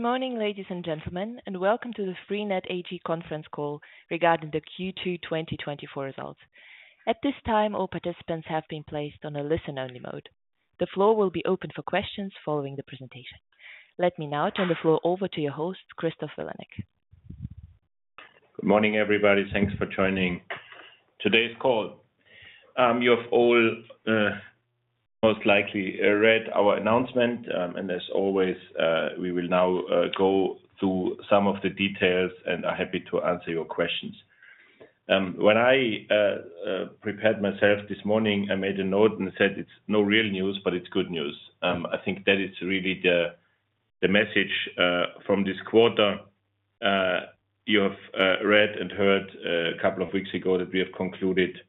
Good morning, ladies and gentlemen, and welcome to the freenet AG conference call regarding the Q2 2024 results. At this time, all participants have been placed on a listen-only mode. The floor will be open for questions following the presentation. Let me now turn the floor over to your host, Christoph Vilanek. Good morning, everybody. Thanks for joining today's call. You have all most likely read our announcement, and as always, we will now go through some of the details and are happy to answer your questions. When I prepared myself this morning, I made a note and said, "It's no real news, but it's good news." I think that is really the message from this quarter. You have read and heard a couple of weeks ago that we have concluded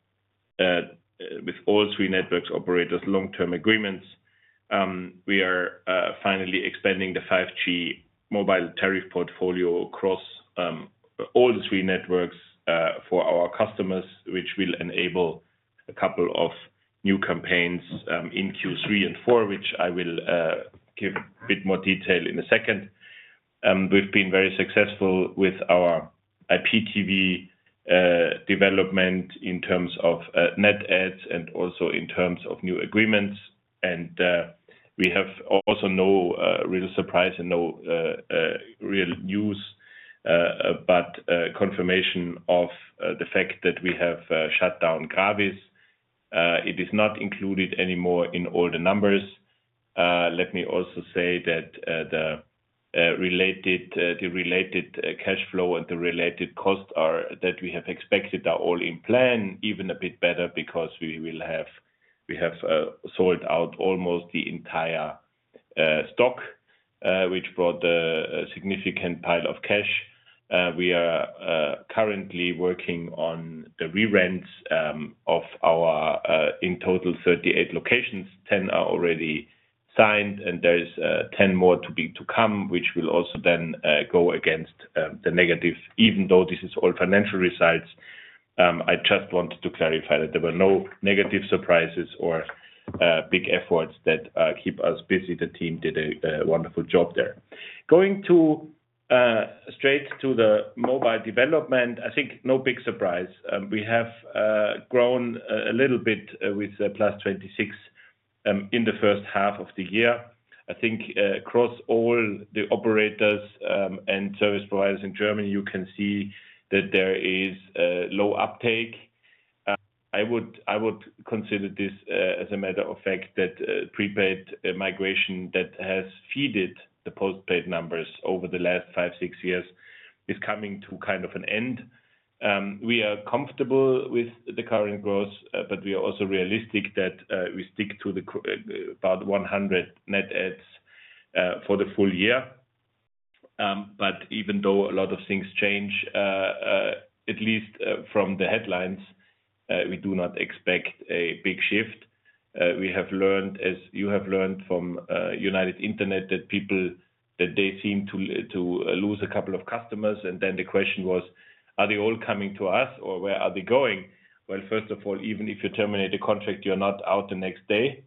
with all three network operators' long-term agreements. We are finally expanding the 5G mobile tariff portfolio across all three networks for our customers, which will enable a couple of new campaigns in Q3 and Q4, which I will give a bit more detail in a second. We've been very successful with our IPTV development in terms of net adds and also in terms of new agreements. We have also no real surprise and no real news, but confirmation of the fact that we have shut down Gravis. It is not included anymore in all the numbers. Let me also say that the related cash flow and the related costs that we have expected are all in plan, even a bit better because we have sold out almost the entire stock, which brought a significant pile of cash. We are currently working on the re-rents of our in total 38 locations. 10 are already signed, and there is 10 more to come, which will also then go against the negative. Even though this is all financial results, I just wanted to clarify that there were no negative surprises or big efforts that keep us busy. The team did a wonderful job there. Going straight to the mobile development, I think no big surprise. We have grown a little bit with +26 in the first half of the year. I think across all the operators and service providers in Germany, you can see that there is a low uptake. I would, I would consider this, as a matter of fact, that prepaid migration that has fed the postpaid numbers over the last five, six years is coming to kind of an end. We are comfortable with the current growth, but we are also realistic that we stick to about 100 net adds for the full year. But even though a lot of things change, at least from the headlines, we do not expect a big shift. We have learned, as you have learned from United Internet, that people that they seem to lose a couple of customers. And then the question was, are they all coming to us, or where are they going? Well, first of all, even if you terminate a contract, you're not out the next day.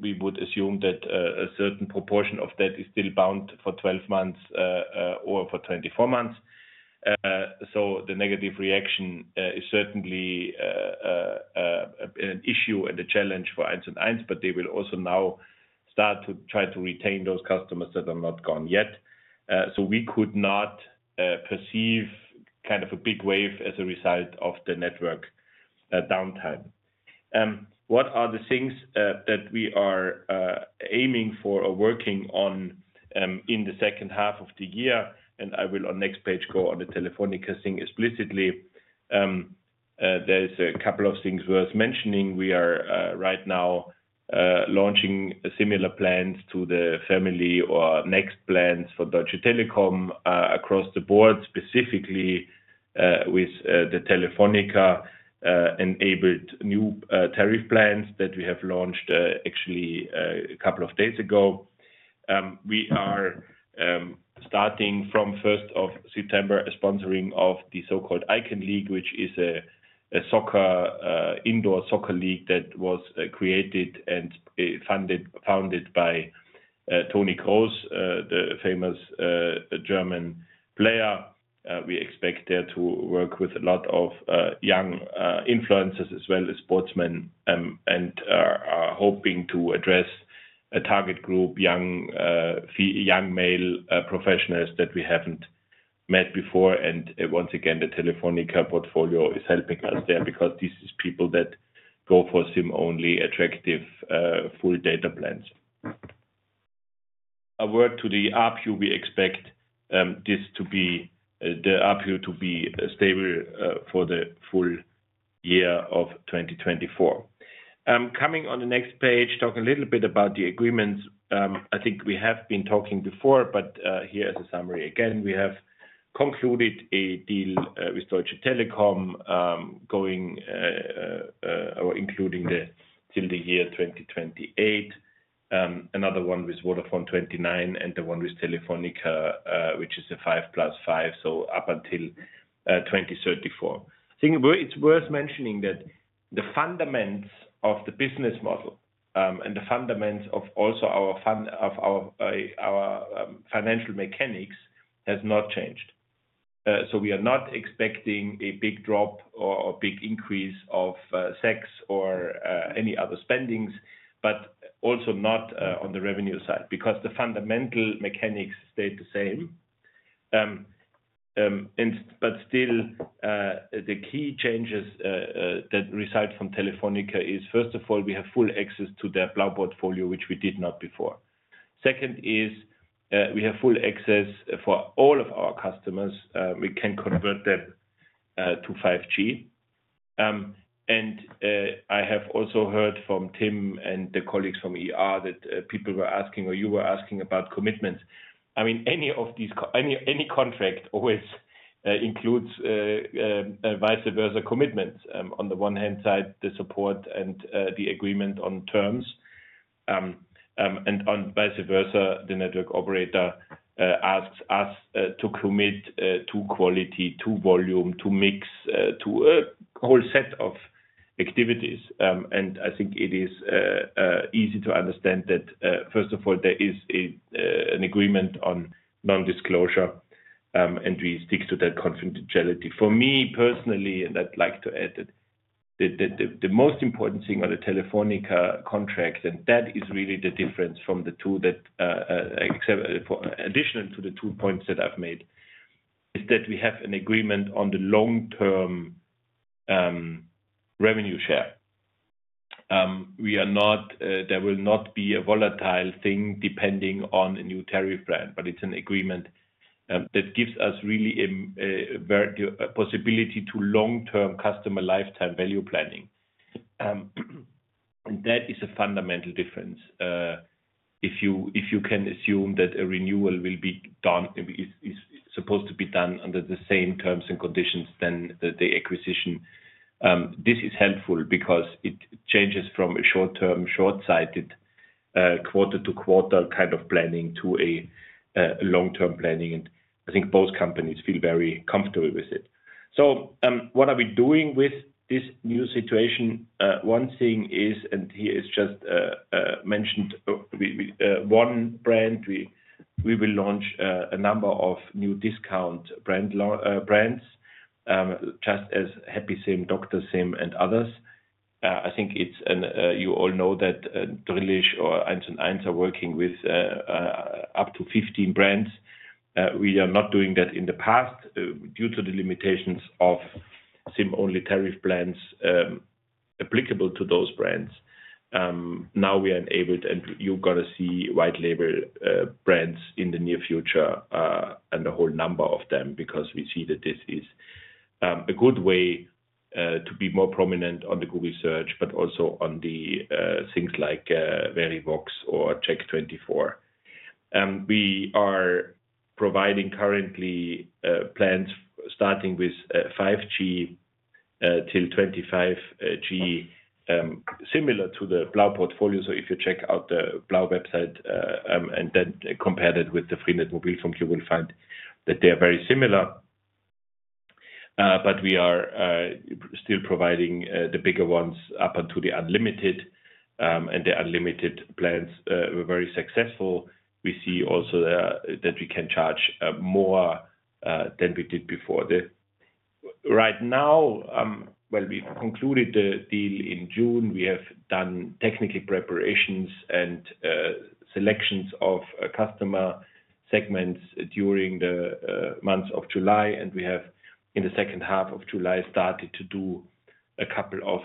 We would assume that a certain proportion of that is still bound for 12 months or for 24 months. So the negative reaction is certainly an issue and a challenge for 1&1, but they will also now start to try to retain those customers that are not gone yet. So we could not perceive kind of a big wave as a result of the network downtime. What are the things that we are aiming for or working on in the second half of the year? And I will, on next page, go on the Telefónica thing explicitly. There's a couple of things worth mentioning. We are right now launching similar plans to the family or next plans for Deutsche Telekom across the board, specifically with the Telefonica enabled new tariff plans that we have launched actually a couple of days ago. We are starting from first of September a sponsoring of the so-called Icon League, which is a soccer indoor soccer league that was created and funded, founded by Toni Kroos, the famous German player. We expect there to work with a lot of young influencers as well as sportsmen and are hoping to address a target group, young male professionals that we haven't met before. And once again, the Telefonica portfolio is helping us there because this is people that go for SIM-only, attractive, full data plans. A word to the ARPU, we expect this to be the ARPU to be stable for the full year of 2024. Coming on the next page, talk a little bit about the agreements. I think we have been talking before, but here as a summary, again, we have concluded a deal with Deutsche Telekom, going or including till the year 2028. Another one with Vodafone, 2029, and the one with Telefónica, which is a 5 + 5, so up until 2034. I think it's worth mentioning that the fundamentals of the business model, and the fundamentals of also our financial mechanics, has not changed. So we are not expecting a big drop or a big increase of CapEx or any other spendings, but also not on the revenue side, because the fundamental mechanics stay the same. But still, the key changes that result from Telefónica is, first of all, we have full access to their Blau portfolio, which we did not before. Second is, we have full access for all of our customers, we can convert them to 5G. And I have also heard from Tim and the colleagues from IR, that people were asking, or you were asking about commitments. I mean, any contract always includes vice versa commitments. On the one hand side, the support and the agreement on terms. And on vice versa, the network operator asks us to commit to quality, to volume, to mix to a whole set of activities. And I think it is easy to understand that, first of all, there is an agreement on non-disclosure, and we stick to that confidentiality. For me, personally, and I'd like to add that the most important thing on the Telefónica contract, and that is really the difference from the two that, except for additional to the two points that I've made, is that we have an agreement on the long-term revenue share. We are not; there will not be a volatile thing depending on a new tariff plan, but it's an agreement that gives us really a very possibility to long-term customer lifetime value planning. And that is a fundamental difference. If you, if you can assume that a renewal will be done, is supposed to be done under the same terms and conditions, then the acquisition; this is helpful because it changes from a short-term, short-sighted, quarter-to-quarter kind of planning to a long-term planning, and I think both companies feel very comfortable with it. So, what are we doing with this new situation? One thing is, and he has just mentioned, we will launch a number of new discount brands, just as Happy SIM, Dr. SIM, and others. I think it's, and you all know that, Drillisch or 1&1 are working with up to 15 brands. We are not doing that in the past due to the limitations of SIM-only tariff plans applicable to those brands. Now we are enabled, and you're gonna see white label brands in the near future, and a whole number of them, because we see that this is a good way to be more prominent on the Google search, but also on the things like Verivox or Check24. We are providing currently plans starting with 5G till 25 G, similar to the Blau portfolio. So if you check out the Blau website and then compare that with the freenet mobile, you will find that they are very similar. But we are still providing the bigger ones up until the unlimited, and the unlimited plans were very successful. We see also that we can charge more than we did before. Right now, well, we've concluded the deal in June. We have done technical preparations and selections of customer segments during the month of July, and we have, in the second half of July, started to do a couple of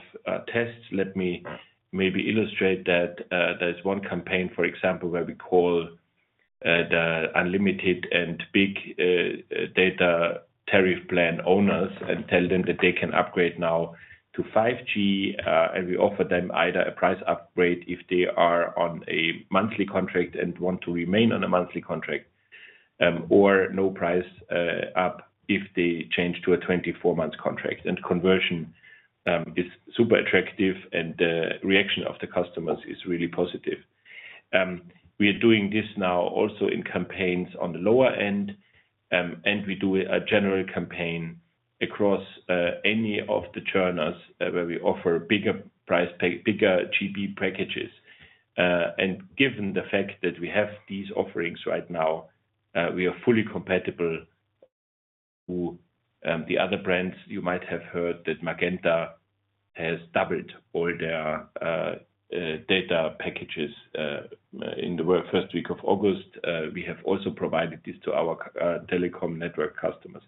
tests. Let me maybe illustrate that. There's one campaign, for example, where we call the unlimited and big data tariff plan owners and tell them that they can upgrade now to 5G, and we offer them either a price upgrade if they are on a monthly contract and want to remain on a monthly contract, or no price up, if they change to a 24-month contract. And conversion is super attractive, and the reaction of the customers is really positive. We are doing this now also in campaigns on the lower end, and we do a general campaign across any of the churners, where we offer bigger GB packages. And given the fact that we have these offerings right now, we are fully compatible to the other brands. You might have heard that Magenta has doubled all their data packages in the very first week of August. We have also provided this to our telecom network customers.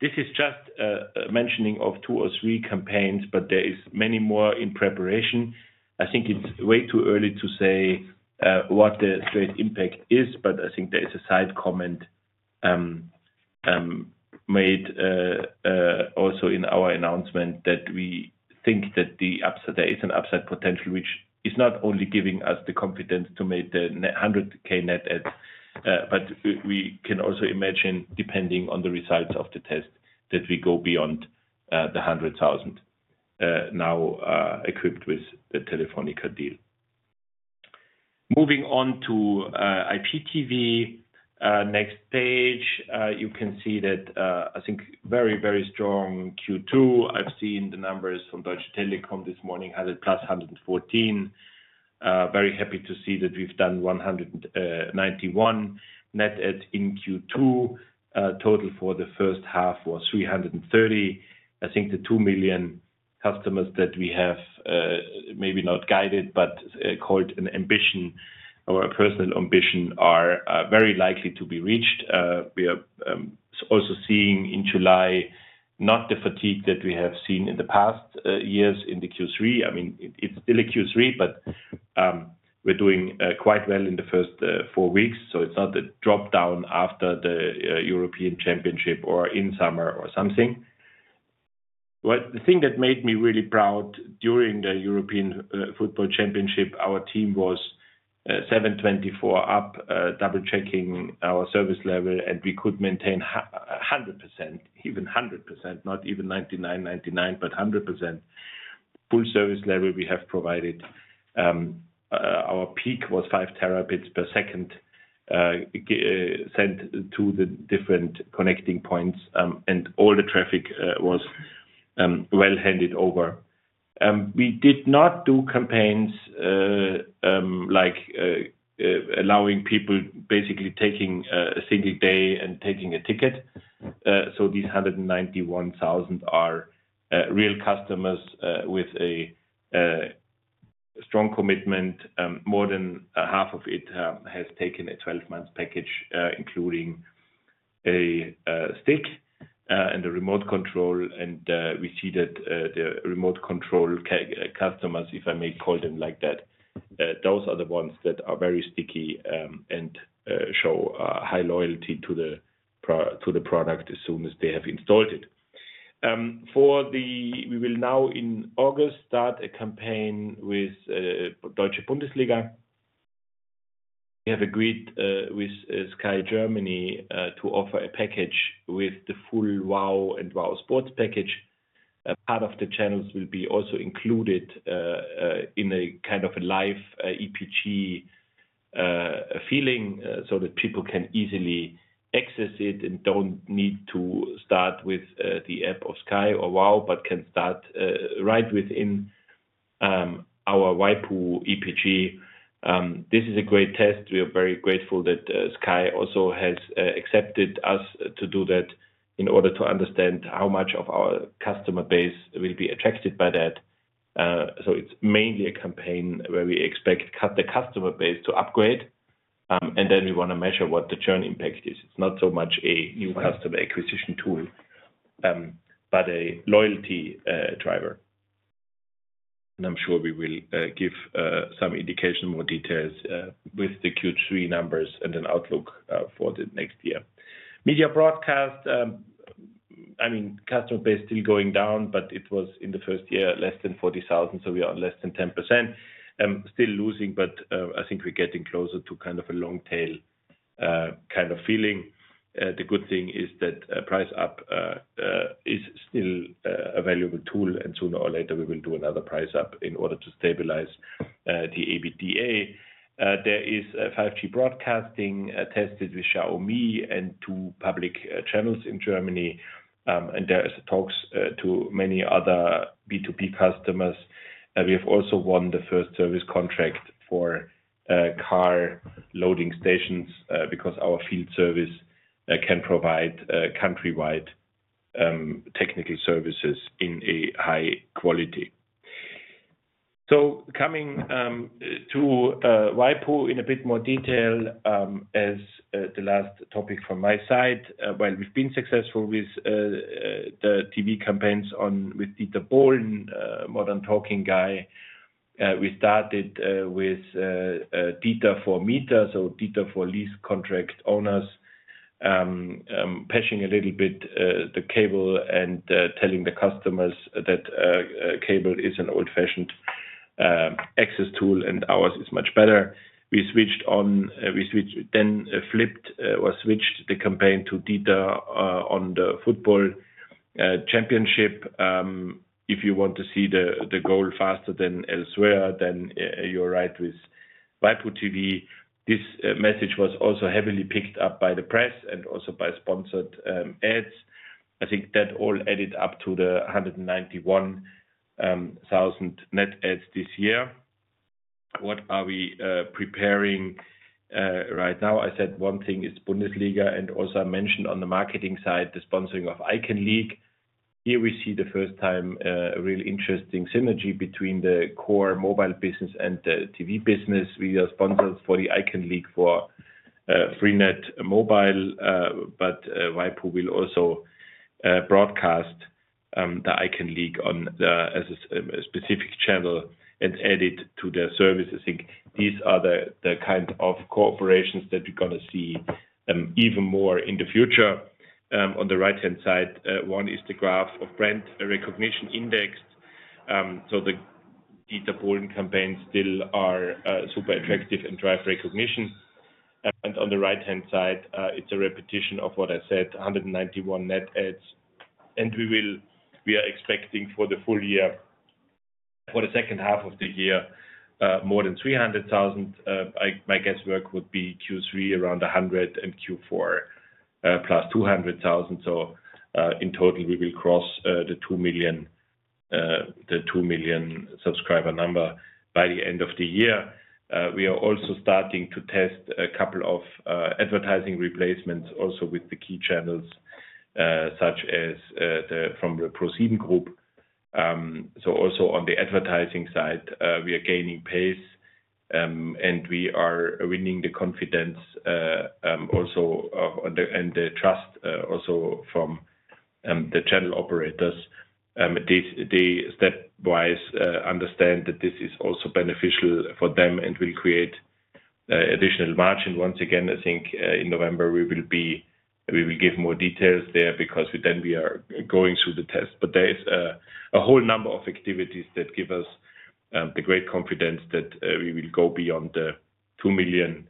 This is just a mentioning of two or three campaigns, but there is many more in preparation. I think it's way too early to say what the straight impact is, but I think there is a side comment made also in our announcement, that we think that the upside, there is an upside potential, which is not only giving us the confidence to make the net 100K net adds, but we can also imagine, depending on the results of the test, that we go beyond the 100,000, now equipped with the Telefónica deal. Moving on to IPTV, next page. You can see that, I think very, very strong Q2. I've seen the numbers from Deutsche Telekom this morning, had it +114. Very happy to see that we've done 191,000 net add in Q2. Total for the first half was 330,000. I think the 2 million customers that we have, maybe not guided, but, called an ambition or a personal ambition, are, very likely to be reached. We are also seeing in July, not the fatigue that we have seen in the past years in the Q3. I mean, it's still a Q3, but, we're doing quite well in the first 4 weeks, so it's not a drop down after the European Championship or in summer or something. But the thing that made me really proud during the European Football Championship, our team was 24/7 up, double checking our service level, and we could maintain a 100%, even 100%, not even 99.9, but 100%. Full service level we have provided. Our peak was 5 Tbps sent to the different connecting points, and all the traffic was well handed over. We did not do campaigns like allowing people basically taking a single day and taking a ticket. So these 191,000 are real customers with a strong commitment. More than half of it has taken a 12-month package, including a stick and a remote control. We see that the remote-control customers, if I may call them like that, those are the ones that are very sticky and show high loyalty to the product as soon as they have installed it. We will now in August start a campaign with Deutsche Bundesliga. We have agreed with Sky Deutschland to offer a package with the full WOW and WOW! sports package. A part of the channels will be also included in a kind of a live EPG feeling so that people can easily access it and don't need to start with the app of Sky or WOW! But can start right within our Waipu EPG. This is a great test. We are very grateful that Sky also has accepted us to do that in order to understand how much of our customer base will be attracted by that. So it's mainly a campaign where we expect the customer base to upgrade, and then we want to measure what the churn impact is. It's not so much a new customer acquisition tool, but a loyalty driver. And I'm sure we will give some indication, more details, with the Q3 numbers and an outlook for the next year. Media Broadcast, I mean, customer base still going down, but it was in the first year, less than 40,000, so we are less than 10%. Still losing, but I think we're getting closer to kind of a long tail kind of feeling. The good thing is that price up is still a valuable tool, and sooner or later we will do another price up in order to stabilize the EBITDA. There is a 5G broadcasting tested with Xiaomi and two public channels in Germany. And there is talks to many other B2B customers. We have also won the first service contract for car loading stations because our field service can provide countrywide technical services in a high quality. So coming to Waipu in a bit more detail as the last topic from my side. While we've been successful with the TV campaigns on with Dieter Bohlen, Modern Talking guy, we started with Dieter für Mieter, so Dieter for lease contract owners. Pushing a little bit the cable and telling the customers that cable is an old-fashioned access tool and ours is much better. We switched—then flipped, or switched the campaign to Dieter on the football championship. If you want to see the goal faster than elsewhere, then you're right with Waipu TV. This message was also heavily picked up by the press and also by sponsored ads. I think that all added up to 191,000 net adds this year. What are we preparing right now? I said one thing is Bundesliga, and also I mentioned on the marketing side, the sponsoring of Icon League. Here we see the first time, a real interesting synergy between the core mobile business and the TV business. We are sponsors for the Icon League for freenet mobile, but Waipu will also broadcast the Icon League on TV as a specific channel and add it to their service. I think these are the kind of cooperations that we're gonna see even more in the future. On the right-hand side, one is the graph of brand recognition index. So the Dieter Bohlen campaigns still are super attractive and drive recognition. And on the right-hand side, it's a repetition of what I said, 191,000 net adds. And we are expecting for the full year, for the second half of the year, more than 300,000. My guesswork would be Q3, around 100,000 and Q4, plus 200,000. So, in total, we will cross the 2 million subscriber number by the end of the year. We are also starting to test a couple of advertising replacements, also with the key channels, such as the from the ProSiebenSat.1 Group. So also on the advertising side, we are gaining pace, and we are winning the confidence also on the and the trust also from the channel operators. They stepwise understand that this is also beneficial for them and will create additional margin. Once again, I think in November we will give more details there because then we are going through the test. But there is a whole number of activities that give us the great confidence that we will go beyond the 2 million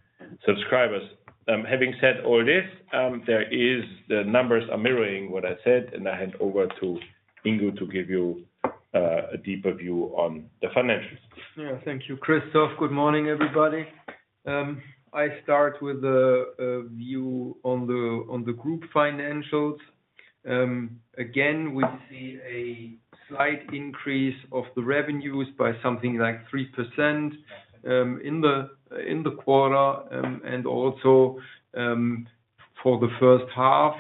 subscribers. Having said all this, the numbers are mirroring what I said, and I hand over to Ingo to give you a deeper view on the financials. Yeah, thank you, Christoph. Good morning, everybody. I start with a view on the group financials. Again, we see a slight increase of the revenues by something like 3%, in the quarter, and also for the first half.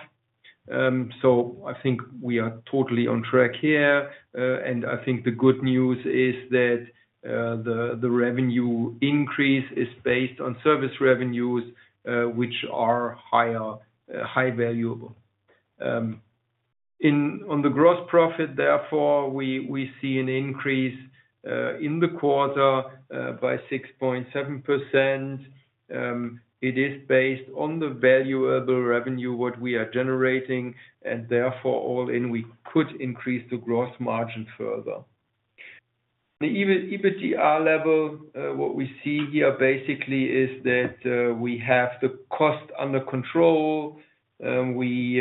So I think we are totally on track here. And I think the good news is that the revenue increase is based on service revenues, which are higher, high valuable. On the gross profit, therefore, we see an increase in the quarter by 6.7%. It is based on the valuable revenue what we are generating, and therefore, all in, we could increase the gross margin further. The EBITDA level what we see here basically is that we have the cost under control. We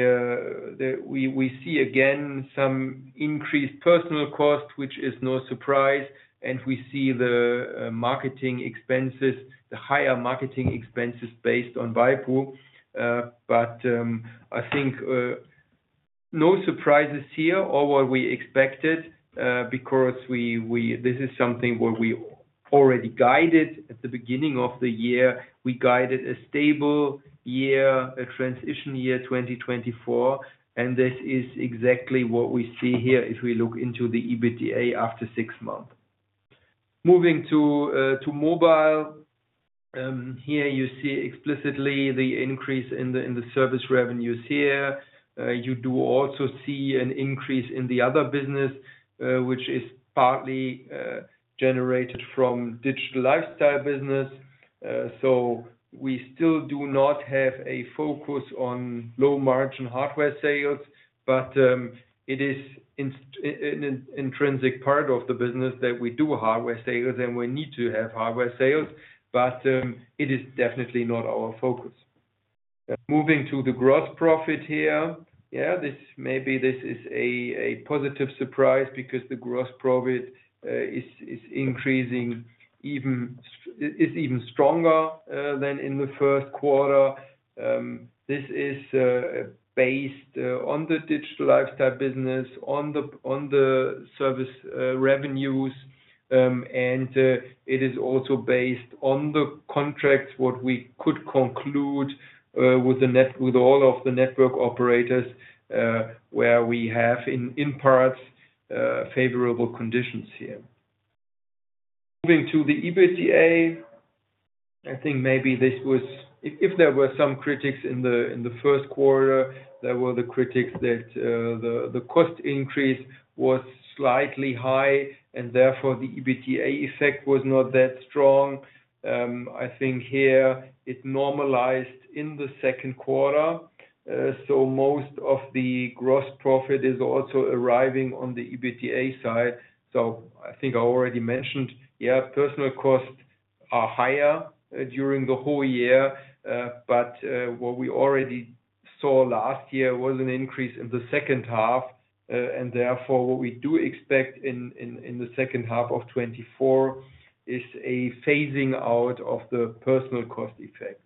see again some increased personnel costs, which is no surprise, and we see the marketing expenses, the higher marketing expenses based on Waipu. But I think no surprises here or what we expected, because this is something where we already guided at the beginning of the year. We guided a stable year, a transition year, 2024, and this is exactly what we see here as we look into the EBITDA after six months. Moving to mobile. Here you see explicitly the increase in the service revenues here. You do also see an increase in the other business, which is partly generated from digital lifestyle business. So we still do not have a focus on low-margin hardware sales, but it is an intrinsic part of the business that we do hardware sales, and we need to have hardware sales, but it is definitely not our focus. Moving to the gross profit here. Yeah, this, maybe this is a positive surprise because the gross profit is increasing even stronger than in the first quarter. This is based on the digital lifestyle business, on the service revenues. And it is also based on the contracts what we could conclude with all of the network operators where we have in parts favorable conditions here. Moving to the EBITDA, I think maybe this was... If there were some critics in the first quarter, there were the critics that the cost increase was slightly high, and therefore, the EBITDA effect was not that strong. I think here it normalized in the second quarter. So most of the gross profit is also arriving on the EBITDA side. So I think I already mentioned, yeah, personal costs are higher during the whole year. But what we already saw last year was an increase in the second half. And therefore, what we do expect in the second half of 2024 is a phasing out of the personal cost effect.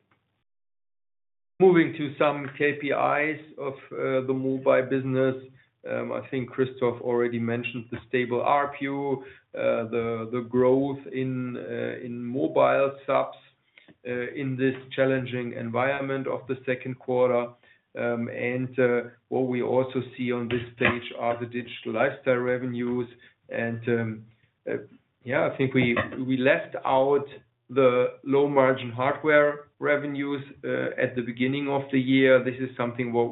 Moving to some KPIs of the mobile business. I think Christoph already mentioned the stable ARPU, the growth in mobile subs, in this challenging environment of the second quarter. What we also see on this page are the digital lifestyle revenues. Yeah, I think we left out the low-margin hardware revenues at the beginning of the year. This is something what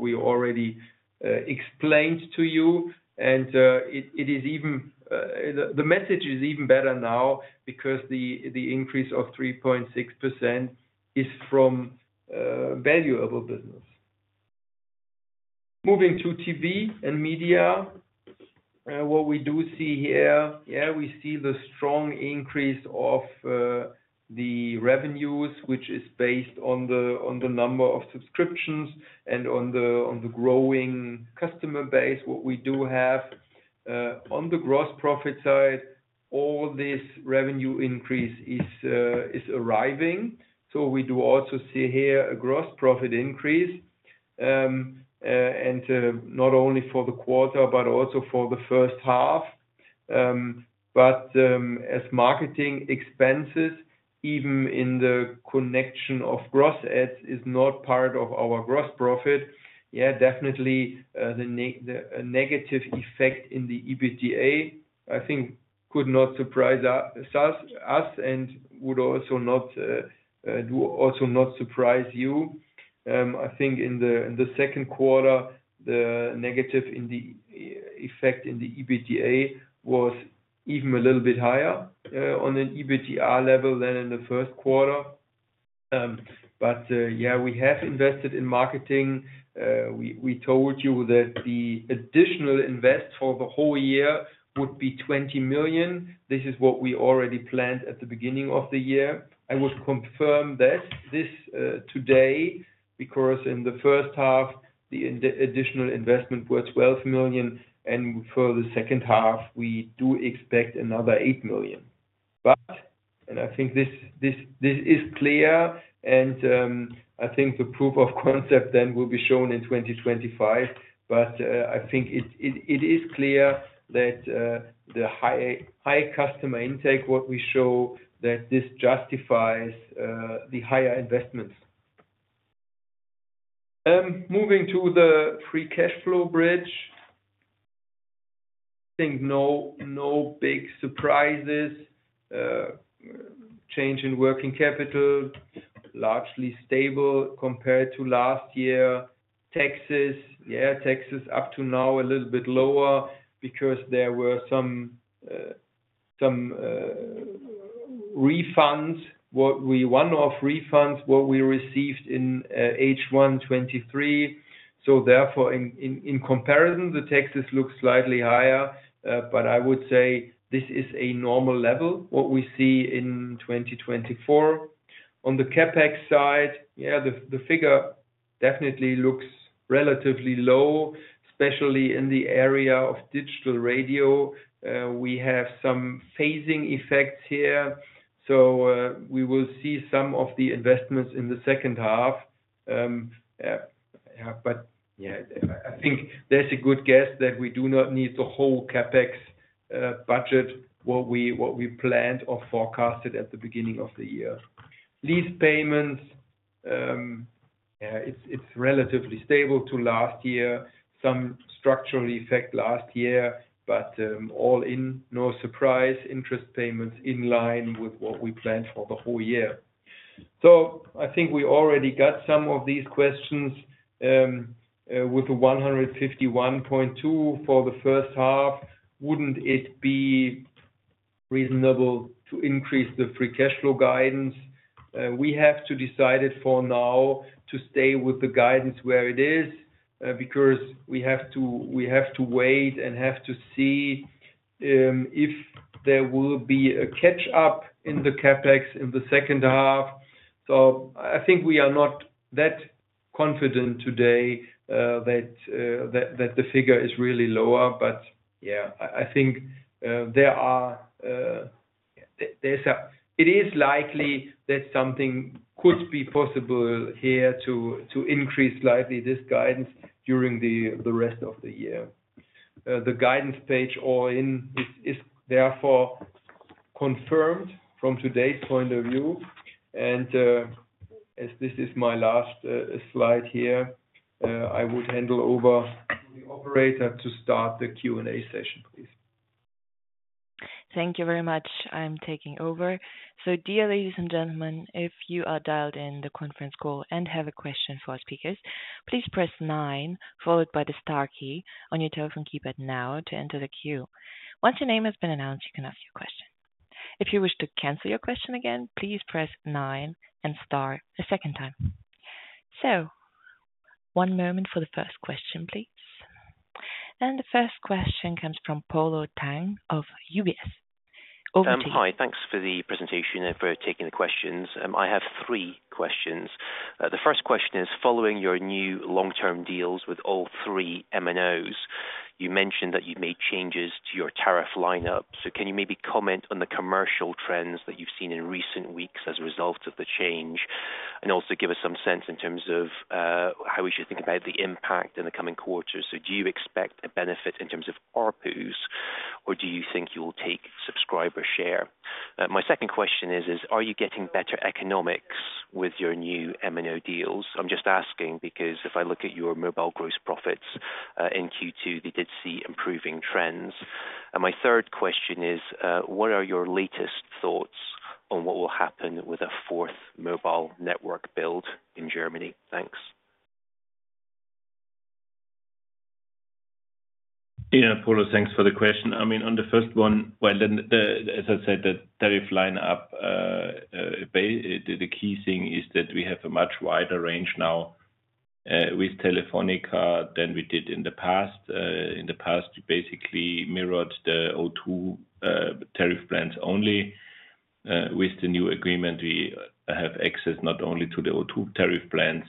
we already explained to you, and it is even, the message is even better now because the increase of 3.6% is from valuable business. Moving to TV and media. What we do see here, yeah, we see the strong increase of the revenues, which is based on the number of subscriptions and on the growing customer base what we do have. On the gross profit side, all this revenue increase is arriving, so we do also see here a gross profit increase. Not only for the quarter, but also for the first half. But as marketing expenses, even in connection with gross adds, is not part of our gross profit. Yeah, definitely, the negative effect in the EBITDA, I think could not surprise us and would also not surprise you. I think in the second quarter, the negative effect in the EBITDA was even a little bit higher, on an EBITDA level than in the first quarter. But yeah, we have invested in marketing. We told you that the additional investment for the whole year would be 20 million. This is what we already planned at the beginning of the year. I would confirm that this today, because in the first half, the additional investment was 12 million, and for the second half, we do expect another 8 million. But, and I think this is clear, and I think the proof of concept then will be shown in 2025. But I think it is clear that the high customer intake, what we show, that this justifies the higher investments. Moving to the free cash flow bridge. I think no big surprises. Change in working capital, largely stable compared to last year. Taxes, yeah, taxes up to now, a little bit lower because there were some refunds, one-off refunds, what we received in H1 2023. So therefore, in comparison, the taxes look slightly higher, but I would say this is a normal level, what we see in 2024. On the CapEx side, yeah, the figure definitely looks relatively low, especially in the area of digital radio. We have some phasing effects here, so we will see some of the investments in the second half. Yeah, but yeah, I think that's a good guess that we do not need the whole CapEx budget, what we planned or forecasted at the beginning of the year. Lease payments, yeah, it's relatively stable to last year. Some structural effect last year, but all in all no surprise, interest payments in line with what we planned for the whole year. So I think we already got some of these questions. With the 151.2 for the first half, wouldn't it be reasonable to increase the free cash flow guidance? We have to decide it for now to stay with the guidance where it is, because we have to, we have to wait and have to see, if there will be a catch-up in the CapEx in the second half. I think we are not that confident today, that, that, that the figure is really lower. But, yeah, I, I think, there are, it is likely that something could be possible here to, to increase slightly this guidance during the, the rest of the year. The guidance page all in is, is therefore confirmed from today's point of view. As this is my last slide here, I would hand over to the operator to start the Q&A session, please. Thank you very much. I'm taking over. So dear ladies and gentlemen, if you are dialed in the conference call and have a question for our speakers, please press nine followed by the star key on your telephone keypad now to enter the queue. Once your name has been announced, you can ask your question. If you wish to cancel your question again, please press nine and star a second time. So one moment for the first question, please. And the first question comes from Polo Tang of UBS. Over to you. Hi. Thanks for the presentation and for taking the questions. I have three questions. The first question is, following your new long-term deals with all three MNOs, you mentioned that you've made changes to your tariff lineup. So can you maybe comment on the commercial trends that you've seen in recent weeks as a result of the change, and also give us some sense in terms of how we should think about the impact in the coming quarters? So do you expect a benefit in terms of ARPUs, or do you think you will take subscriber share? My second question is, are you getting better economics with your new MNO deals? I'm just asking because if I look at your mobile gross profits in Q2, they did see improving trends. My third question is, what are your latest thoughts on what will happen with a fourth mobile network build in Germany? Thanks. Yeah, Polo, thanks for the question. I mean, on the first one, well, then, as I said, the tariff lineup, the key thing is that we have a much wider range now with Telefónica than we did in the past. In the past, we basically mirrored the O2 tariff plans only. With the new agreement, we have access not only to the O2 tariff plans,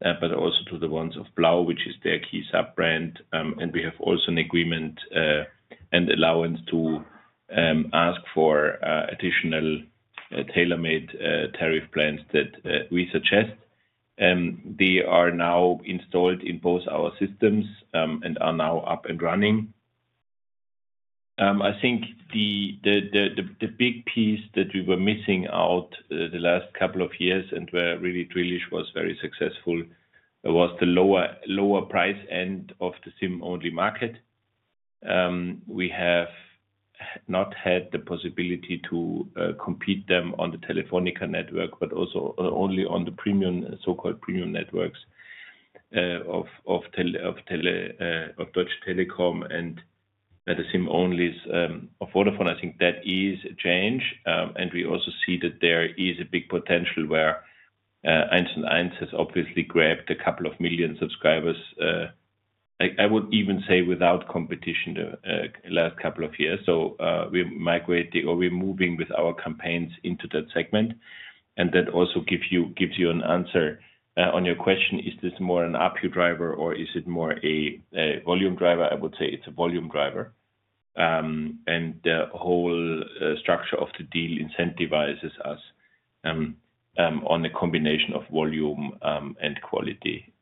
but also to the ones of Blau, which is their key sub-brand. And we have also an agreement and allowance to ask for additional tailor-made tariff plans that we suggest. They are now installed in both our systems and are now up and running. I think the big piece that we were missing out the last couple of years, and where really Drillisch was very successful, was the lower price end of the SIM-only market. We have not had the possibility to compete them on the Telefónica network, but also only on the premium, so-called premium networks of Deutsche Telekom, and the SIM-only of Vodafone. I think that is a change. And we also see that there is a big potential where 1&1 has obviously grabbed a couple of million subscribers, like, I would even say, without competition, last couple of years. So, we're migrating or we're moving with our campaigns into that segment. And that also gives you, gives you an answer on your question, is this more an ARPU driver or is it more a volume driver? I would say it's a volume driver. And the whole structure of the deal incentivizes us on the combination of volume and quality.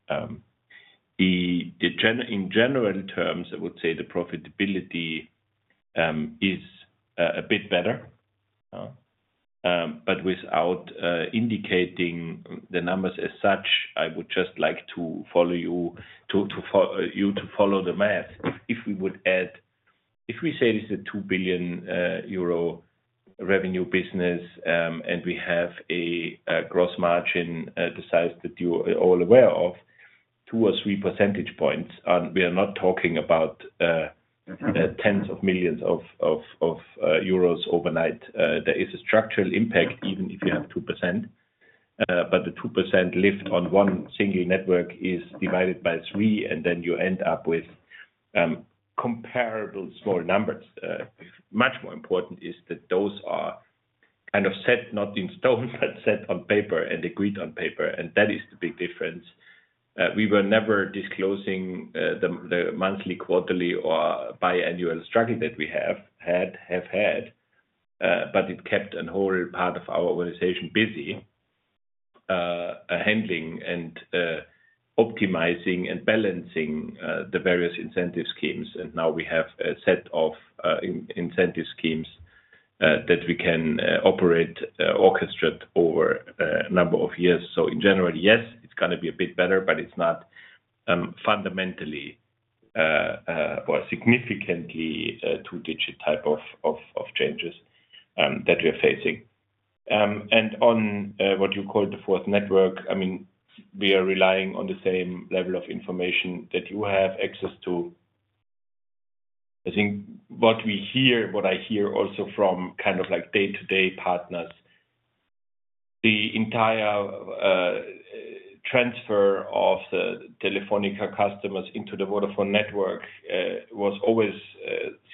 In general terms, I would say the profitability is a bit better. But without indicating the numbers as such, I would just like you to follow the math. If we say this is a 2 billion euro revenue business, and we have a gross margin the size that you are all aware of, 2 or 3 percentage points, and we are not talking about tens of millions of EUR overnight. There is a structural impact, even if you have 2%. But the 2% lift on one single network is divided by 3, and then you end up with comparable small numbers. Much more important is that those are kind of set, not in stone, but set on paper and agreed on paper, and that is the big difference. We were never disclosing the monthly, quarterly or biannual struggle that we have had. But it kept a whole part of our organization busy handling and optimizing and balancing the various incentive schemes. And now we have a set of incentive schemes that we can operate orchestrate over a number of years. So in general, yes, it's gonna be a bit better, but it's not fundamentally or significantly a two-digit type of changes that we are facing. And on what you call the fourth network, I mean, we are relying on the same level of information that you have access to. I think what we hear, what I hear also from kind of, like, day-to-day partners, the entire transfer of the Telefónica customers into the Vodafone network was always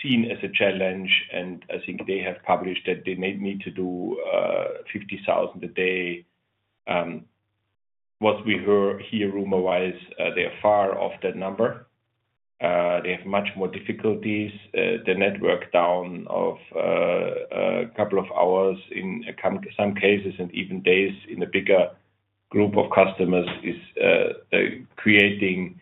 seen as a challenge, and I think they have published that they may need to do 50,000 a day. What we hear rumor-wise, they are far off that number. They have much more difficulties. The network down of a couple of hours in countless cases, and even days in a bigger group of customers, is creating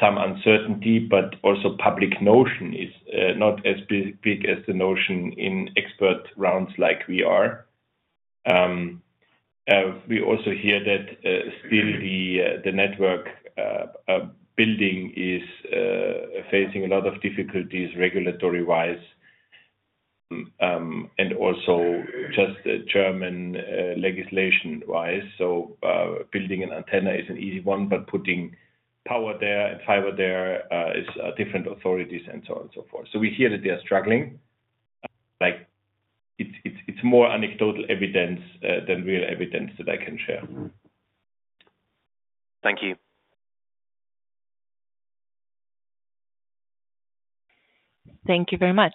some uncertainty, but also public notion is not as big as the notion in expert rounds like we are. We also hear that still the network building is facing a lot of difficulties regulatory-wise, and also just the German legislation-wise. So, building an antenna is an easy one, but putting power there and fiber there is different authorities, and so on and so forth. So we hear that they are struggling. Like, it's more anecdotal evidence than real evidence that I can share. Mm-hmm. Thank you. Thank you very much.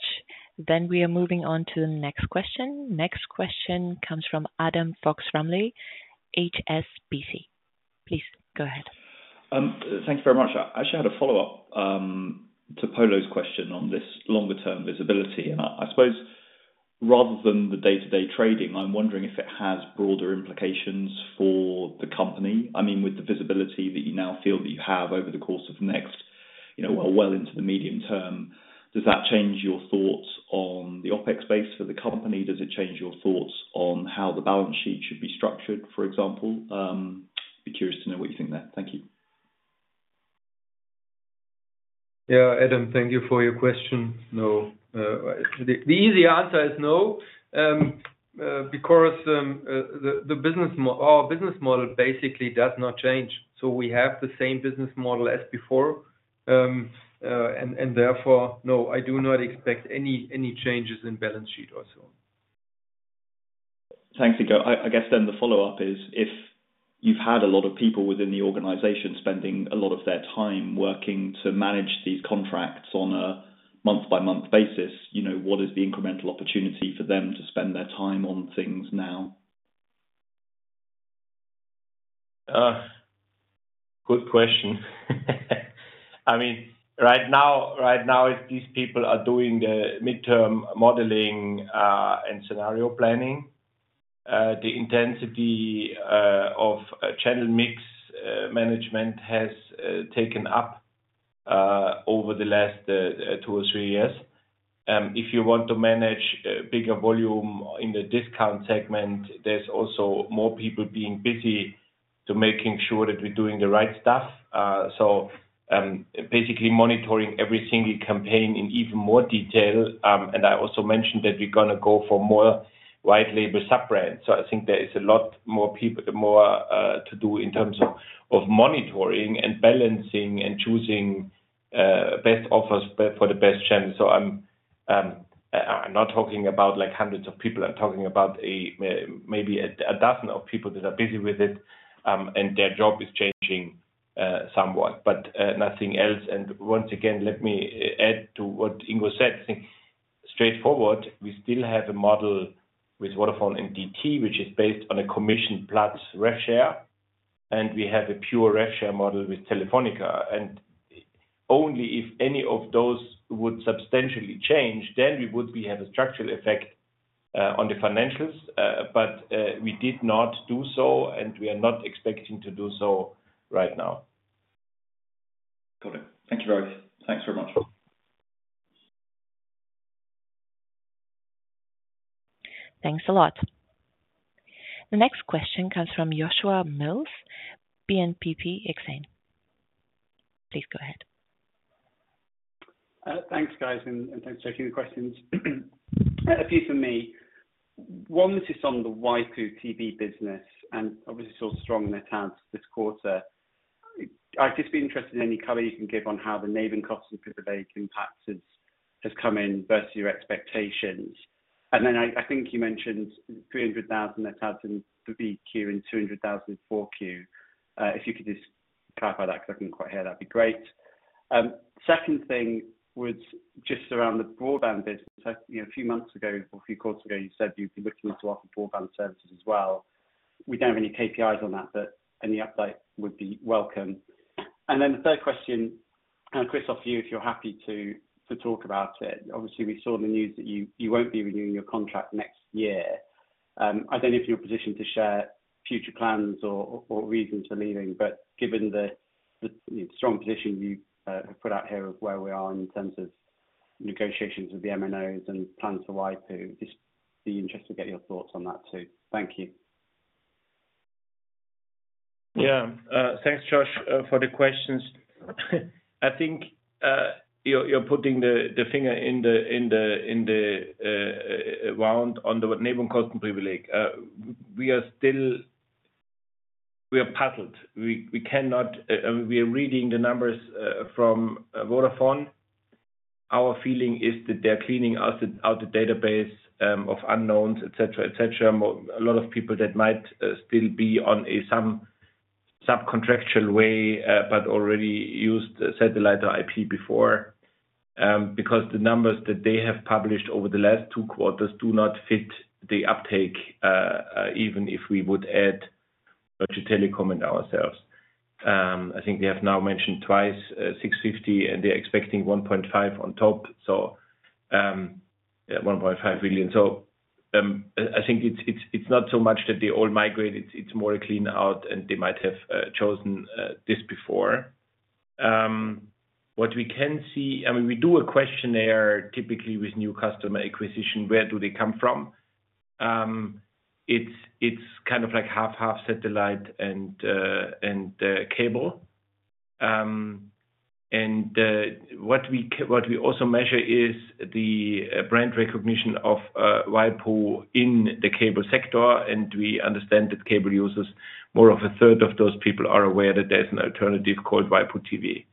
Then we are moving on to the next question. Next question comes from Adam Fox-Rumley, HSBC. Please go ahead. Thank you very much. I actually had a follow-up to Polo's question on this longer term visibility. I suppose rather than the day-to-day trading, I'm wondering if it has broader implications for the company. I mean, with the visibility that you now feel that you have over the course of next, you know, well into the medium term, does that change your thoughts on the OpEx base for the company? Does it change your thoughts on how the balance sheet should be structured, for example? Be curious to know what you think there. Thank you. Yeah, Adam, thank you for your question. No, the easy answer is no. Because our business model basically does not change. So we have the same business model as before. And therefore, no, I do not expect any changes in balance sheet or so. Thanks again. I, I guess then the follow-up is, if you've had a lot of people within the organization spending a lot of their time working to manage these contracts on a month-by-month basis, you know, what is the incremental opportunity for them to spend their time on things now? Good question. I mean, right now, right now, these people are doing the midterm modeling and scenario planning. The intensity of channel mix management has taken up over the last two or three years. If you want to manage bigger volume in the discount segment, there's also more people being busy to making sure that we're doing the right stuff. So, basically monitoring every single campaign in even more detail. And I also mentioned that we're gonna go for more white label sub-brands. So I think there is a lot more people, more, to do in terms of monitoring and balancing, and choosing best offers for the best channels. So I'm not talking about like hundreds of people. I'm talking about a, maybe a dozen of people that are busy with it, and their job is changing, somewhat, but, nothing else. And once again, let me add to what Ingo said. I think straightforward, we still have a model with Vodafone and DT, which is based on a commission plus rev share, and we have a pure rev share model with Telefonica. And only if any of those would substantially change, then we would be at a structural effect, on the financials. But, we did not do so, and we are not expecting to do so right now. Got it. Thank you, guys. Thanks very much. Thanks a lot. The next question comes from Joshua Mills, BNPP Exane. Please go ahead. Thanks, guys, and thanks for taking the questions. A few from me. One is just on the Waipu TV business, and obviously, so strong in the tabs this quarter. I'd just be interested in any color you can give on how the marketing costs of Privilege impact has come in versus your expectations. And then, I think you mentioned 300,000 net adds in the Q2 and 200,000 for Q3. If you could just clarify that, because I couldn't quite hear that, be great. Second thing was just around the broadband business. You know, a few months ago, or a few quarters ago, you said you'd be looking to offer broadband services as well. We don't have any KPIs on that, but any update would be welcome. And then the third question, and Chris, off to you, if you're happy to talk about it. Obviously, we saw in the news that you won't be renewing your contract next year. I don't know if you're positioned to share future plans or reasons for leaving, but given the strong position you have put out here of where we are in terms of negotiations with the MNOs and plans for Waipu, just be interested to get your thoughts on that, too. Thank you. Yeah. Thanks, Josh, for the questions. I think you're putting the finger in the wound on the Nebenkostenprivileg. We are still... We are puzzled. We cannot. We are reading the numbers from Vodafone. Our feeling is that they're cleaning out the database of unknowns, et cetera, et cetera. A lot of people that might still be on some sub-contractual way, but already used satellite or IP before. Because the numbers that they have published over the last two quarters do not fit the uptake, even if we would add Deutsche Telecom and ourselves. I think they have now mentioned twice, 650, and they're expecting 1.5 on top, so, yeah, 1.5 billion. So, I think it's not so much that they all migrate. It's more clean out, and they might have chosen this before. What we can see—I mean, we do a questionnaire, typically with new customer acquisition. Where do they come from? It's kind of like half, half satellite and cable. And what we also measure is the brand recognition of Waipu in the cable sector, and we understand that cable users, more of a third of those people are aware that there's an alternative called Waipu TV.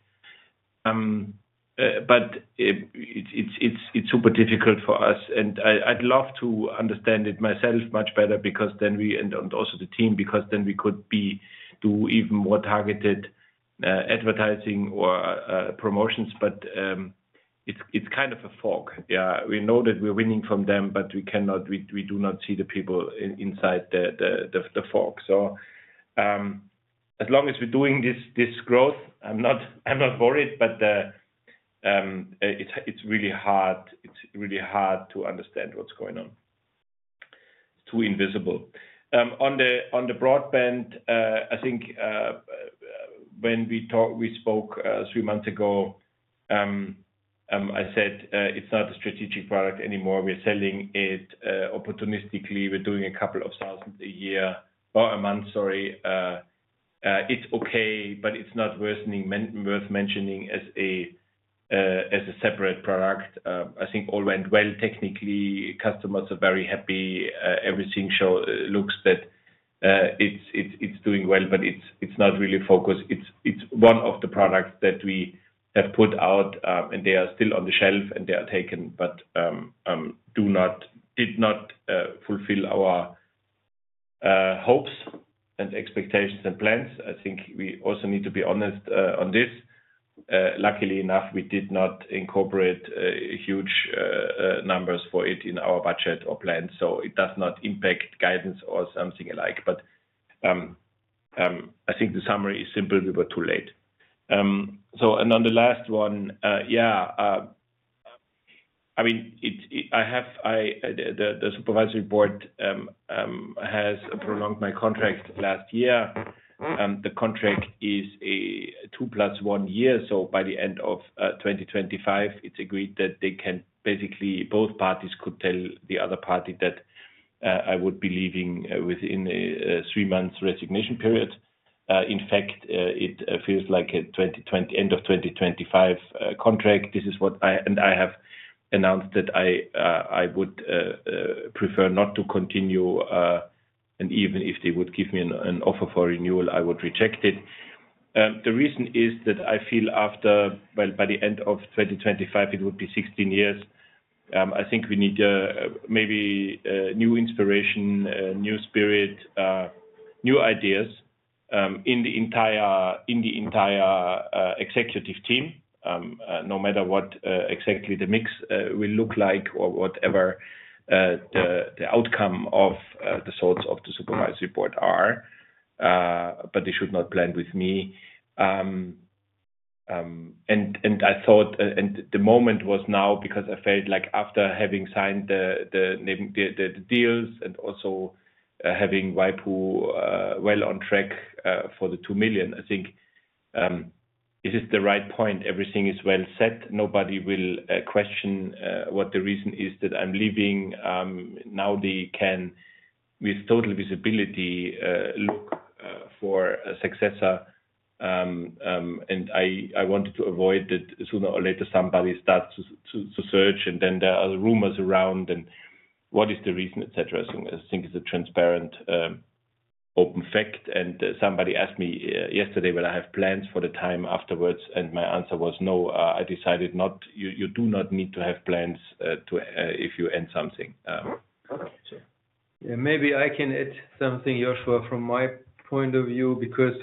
But it's super difficult for us, and I'd love to understand it myself much better, because then we and also the team, because then we could do even more targeted advertising or promotions. But it's kind of a fog. Yeah, we know that we're winning from them, but we cannot, we do not see the people inside the fog. So, as long as we're doing this growth, I'm not worried, but it's really hard. It's really hard to understand what's going on. It's too invisible. On the broadband, I think, when we spoke three months ago, I said, "It's not a strategic product anymore. We're selling it opportunistically. We're doing a couple of thousands a year or a month," sorry. It's okay, but it's not worth mentioning as a separate product. I think all went well technically. Customers are very happy. Everything shows, it's doing well, but it's not really focused. It's one of the products that we have put out, and they are still on the shelf, and they are taken, but did not fulfill our hopes and expectations and plans. I think we also need to be honest on this. Luckily enough, we did not incorporate huge numbers for it in our budget or plan, so it does not impact guidance or something alike. But I think the summary is simply we were too late. So, on the last one, yeah, I mean, I have the supervisory board has prolonged my contract last year. The contract is a 2+1 year, so by the end of 2025, it's agreed that they can basically, both parties could tell the other party that I would be leaving within 3 months resignation period. In fact, it feels like a 2025- end of 2025 contract. This is what I- and I have announced that I would prefer not to continue, and even if they would give me an offer for renewal, I would reject it. The reason is that I feel after, well, by the end of 2025, it would be 16 years. I think we need maybe new inspiration, new spirit, new ideas in the entire executive team, no matter what exactly the mix will look like or whatever the outcome of the thoughts of the supervisory board are, but they should not plan with me. And I thought the moment was now because I felt like after having signed the deals and also having Waipu well on track for the 2 million, I think this is the right point. Everything is well set. Nobody will question what the reason is that I'm leaving. Now they can with total visibility look for a successor. I wanted to avoid that sooner or later somebody starts to search, and then there are other rumors around, and what is the reason, et cetera. I think it's a transparent, open fact. Somebody asked me yesterday, will I have plans for the time afterwards, and my answer was no. I decided not. You do not need to have plans to if you end something. So. Yeah, maybe I can add something, Joshua, from my point of view, because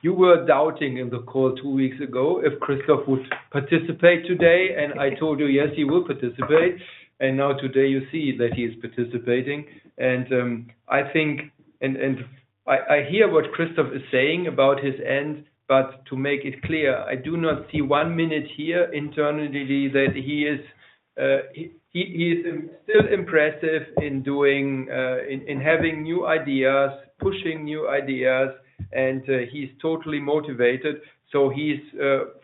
you were doubting in the call two weeks ago if Christoph would participate today, and I told you, "Yes, he will participate." And now today you see that he is participating. And I think I hear what Christoph is saying about his end, but to make it clear, I do not see one minute here internally that he is still impressive in doing in having new ideas, pushing new ideas, and he's totally motivated. So he's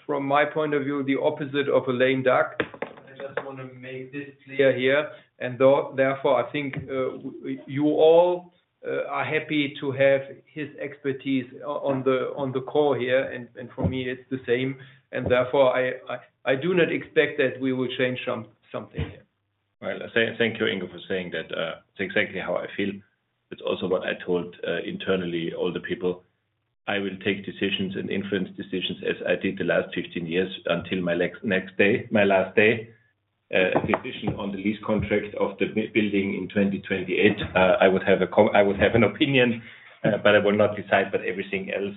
from my point of view the opposite of a lame duck. I just wanna make this clear here. Though, therefore, I think you all are happy to have his expertise on the call here, and for me, it's the same. And therefore, I do not expect that we will change something here. Well, thank you, Ingo, for saying that. It's exactly how I feel. It's also what I told internally all the people. I will take decisions and influence decisions as I did the last 15 years until my next day, my last day. Decision on the lease contract of the building in 2028, I would have an opinion, but I will not decide. But everything else,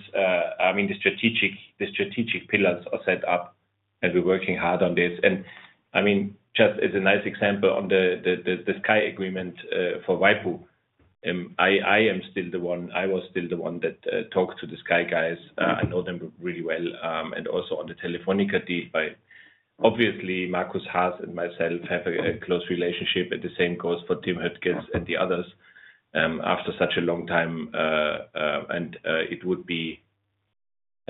I mean, the strategic, the strategic pillars are set up, and we're working hard on this. And I mean, just as a nice example on the Sky agreement for Waipu, I am still the one—I was still the one that talked to the Sky guys. I know them really well. And also on the Telefónica deal, but obviously, Marcus Haas and myself have a close relationship, and the same goes for Tim Höttges and the others, after such a long time, and it would be...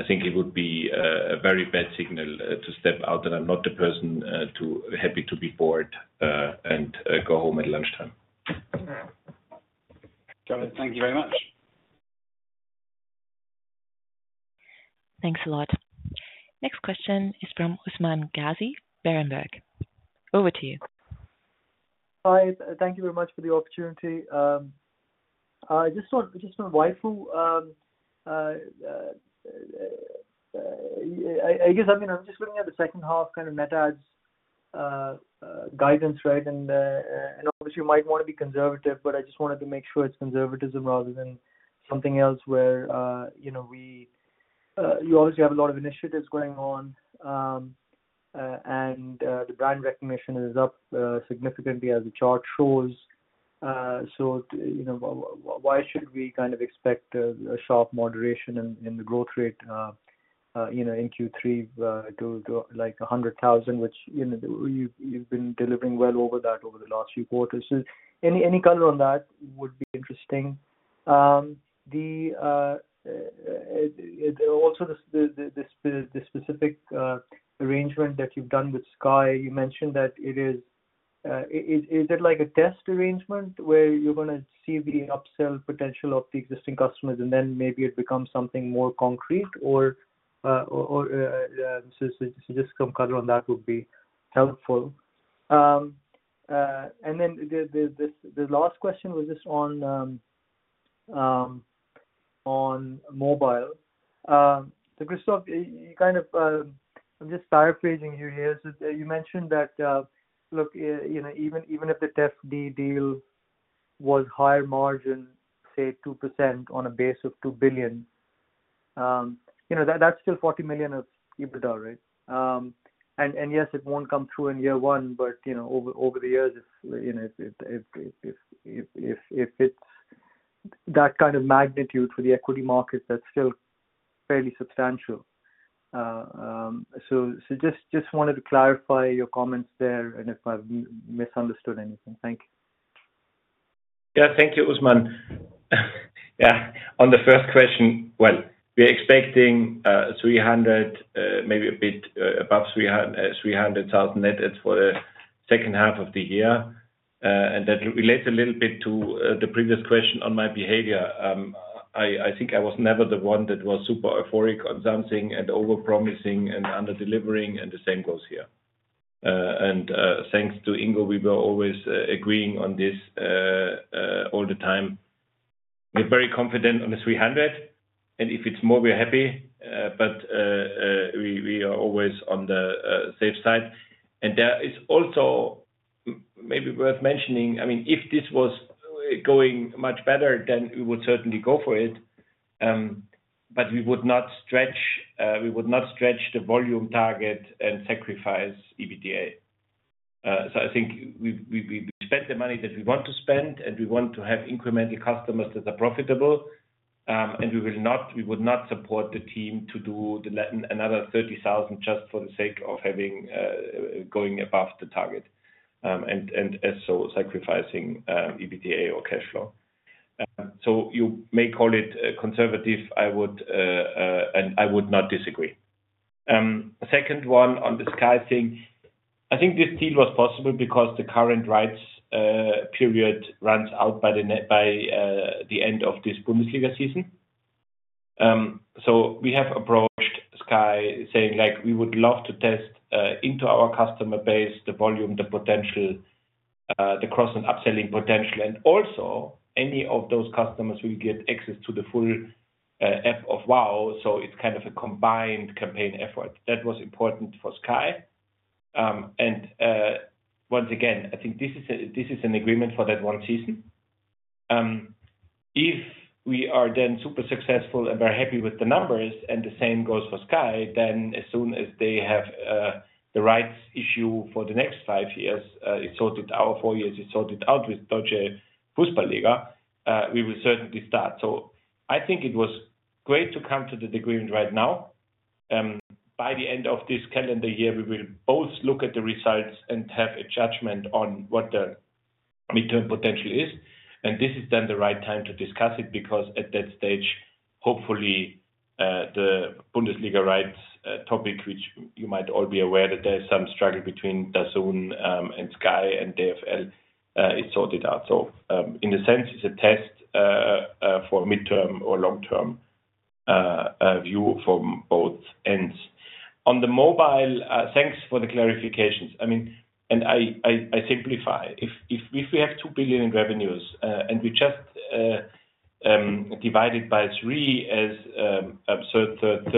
I think it would be a very bad signal to step out, and I'm not the person too happy to be bored, and go home at lunchtime. Got it. Thank you very much. Thanks a lot. Next question is from Usman Ghazi, Berenberg. Over to you. Hi, thank you very much for the opportunity. Just on, just on Waipu, I guess, I mean, I'm just looking at the second half kind of net adds, guidance, right? And, and obviously, you might wanna be conservative, but I just wanted to make sure it's conservatism rather than something else where, you know, we, you obviously have a lot of initiatives going on. And, the brand recognition is up, significantly as the chart shows. So, you know, why should we kind of expect a sharp moderation in the growth rate, you know, in Q3, to like 100,000, which, you know, you've been delivering well over that over the last few quarters? So any color on that would be interesting. Also the specific arrangement that you've done with Sky, you mentioned that it is, is it like a test arrangement where you're gonna see the upsell potential of the existing customers, and then maybe it becomes something more concrete? Or, or, just some color on that would be helpful. And then the last question was just on mobile. So Christoph, you kind of, I'm just paraphrasing you here. So you mentioned that, look, you know, even if the DT deal was higher margin, say 2% on a base of 2 billion, you know, that's still 40 million of EBITDA, right? Yes, it won't come through in year one, but you know, over the years, it's you know, it if it's that kind of magnitude for the equity market, that's still fairly substantial. So just wanted to clarify your comments there, and if I've misunderstood anything. Thank you. Yeah. Thank you, Usman. Yeah, on the first question, well, we're expecting 300, maybe a bit above 300,000 net adds for the second half of the year. And that relates a little bit to the previous question on my behavior. I think I was never the one that was super euphoric on something, and over-promising and under-delivering, and the same goes here. And thanks to Ingo, we were always agreeing on this all the time. We're very confident on the 300, and if it's more, we're happy. But we are always on the safe side. And that is also maybe worth mentioning... I mean, if this was going much better, then we would certainly go for it, but we would not stretch the volume target and sacrifice EBITDA. So I think we spend the money that we want to spend, and we want to have incremental customers that are profitable. And we will not, we would not support the team to do another 30,000 just for the sake of having going above the target, and so sacrificing EBITDA or cash flow. So you may call it conservative, I would, and I would not disagree. Second one, on the Sky thing. I think this deal was possible because the current rights period runs out by the end of this Bundesliga season. So we have approached Sky, saying, like, we would love to test into our customer base, the volume, the potential, the cross and upselling potential, and also any of those customers will get access to the full app of WOW. So it's kind of a combined campaign effort. That was important for Sky. Once again, I think this is a, this is an agreement for that one season. If we are then super successful and very happy with the numbers, and the same goes for Sky, then as soon as they have the rights issue for the next five years, it sorted our four years, it sorted out with Deutsche Fußball Liga, we will certainly start. So I think it was great to come to the agreement right now. By the end of this calendar year, we will both look at the results and have a judgment on what the midterm potential is. This is then the right time to discuss it, because at that stage, hopefully, the Bundesliga rights topic, which you might all be aware, that there is some struggle between DAZN, and Sky and DFL, is sorted out. So, in a sense, it's a test for midterm or long-term view from both ends. On the mobile, thanks for the clarifications. I mean, and I simplify. If we have 2 billion in revenues, and we just divide it by three as third third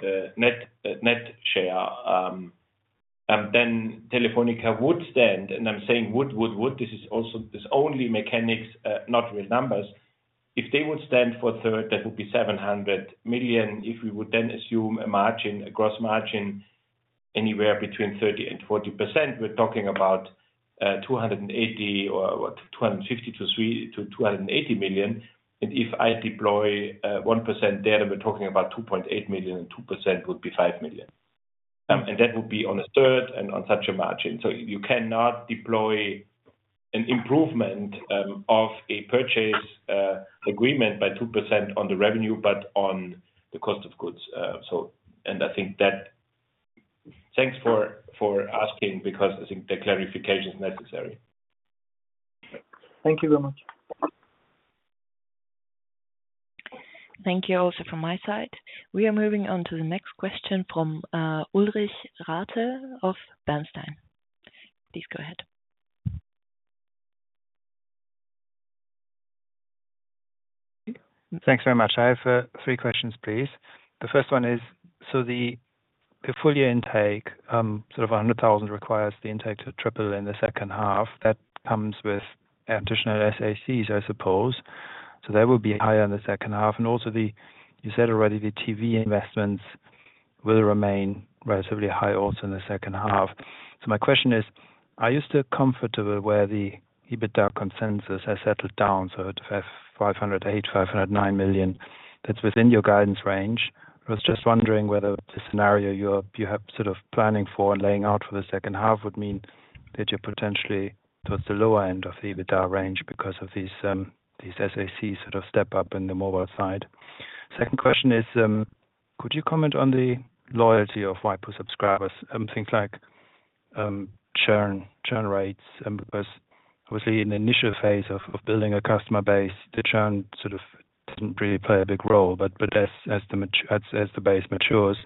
third net share, then Telefonica would stand, and I'm saying would would would, this is only mechanics, not real numbers. If they would stand for a third, that would be 700 million. If we would then assume a margin, a gross margin, anywhere between 30% and 40%, we're talking about 280 or, what, 250 to 280 million. And if I deploy 1% there, then we're talking about 2.8 million, and 2% would be 5 million. And that would be on a third and on such a margin. So you cannot deploy an improvement of a purchase agreement by 2% on the revenue, but on the cost of goods. And I think that... Thanks for asking, because I think the clarification is necessary. Thank you very much. Thank you, also from my side. We are moving on to the next question from, Ulrich Rathe of Bernstein. Please go ahead. Thanks very much. I have three questions, please. The first one is, so the full year intake, sort of 100,000, requires the intake to triple in the second half. That comes with additional SACs, I suppose, so that will be higher in the second half. And also the, you said already, the TV investments will remain relatively high also in the second half. So my question is, are you still comfortable where the EBITDA consensus has settled down, so to have 508 million-509 million, that's within your guidance range? I was just wondering whether the scenario you're planning for and laying out for the second half would mean that you're potentially towards the lower end of the EBITDA range because of these, these SAC sort of step up in the mobile side. Second question is, could you comment on the loyalty of Waipu subscribers, things like, churn, churn rates. Obviously, in the initial phase of building a customer base, the churn sort of didn't really play a big role. But as the base matures,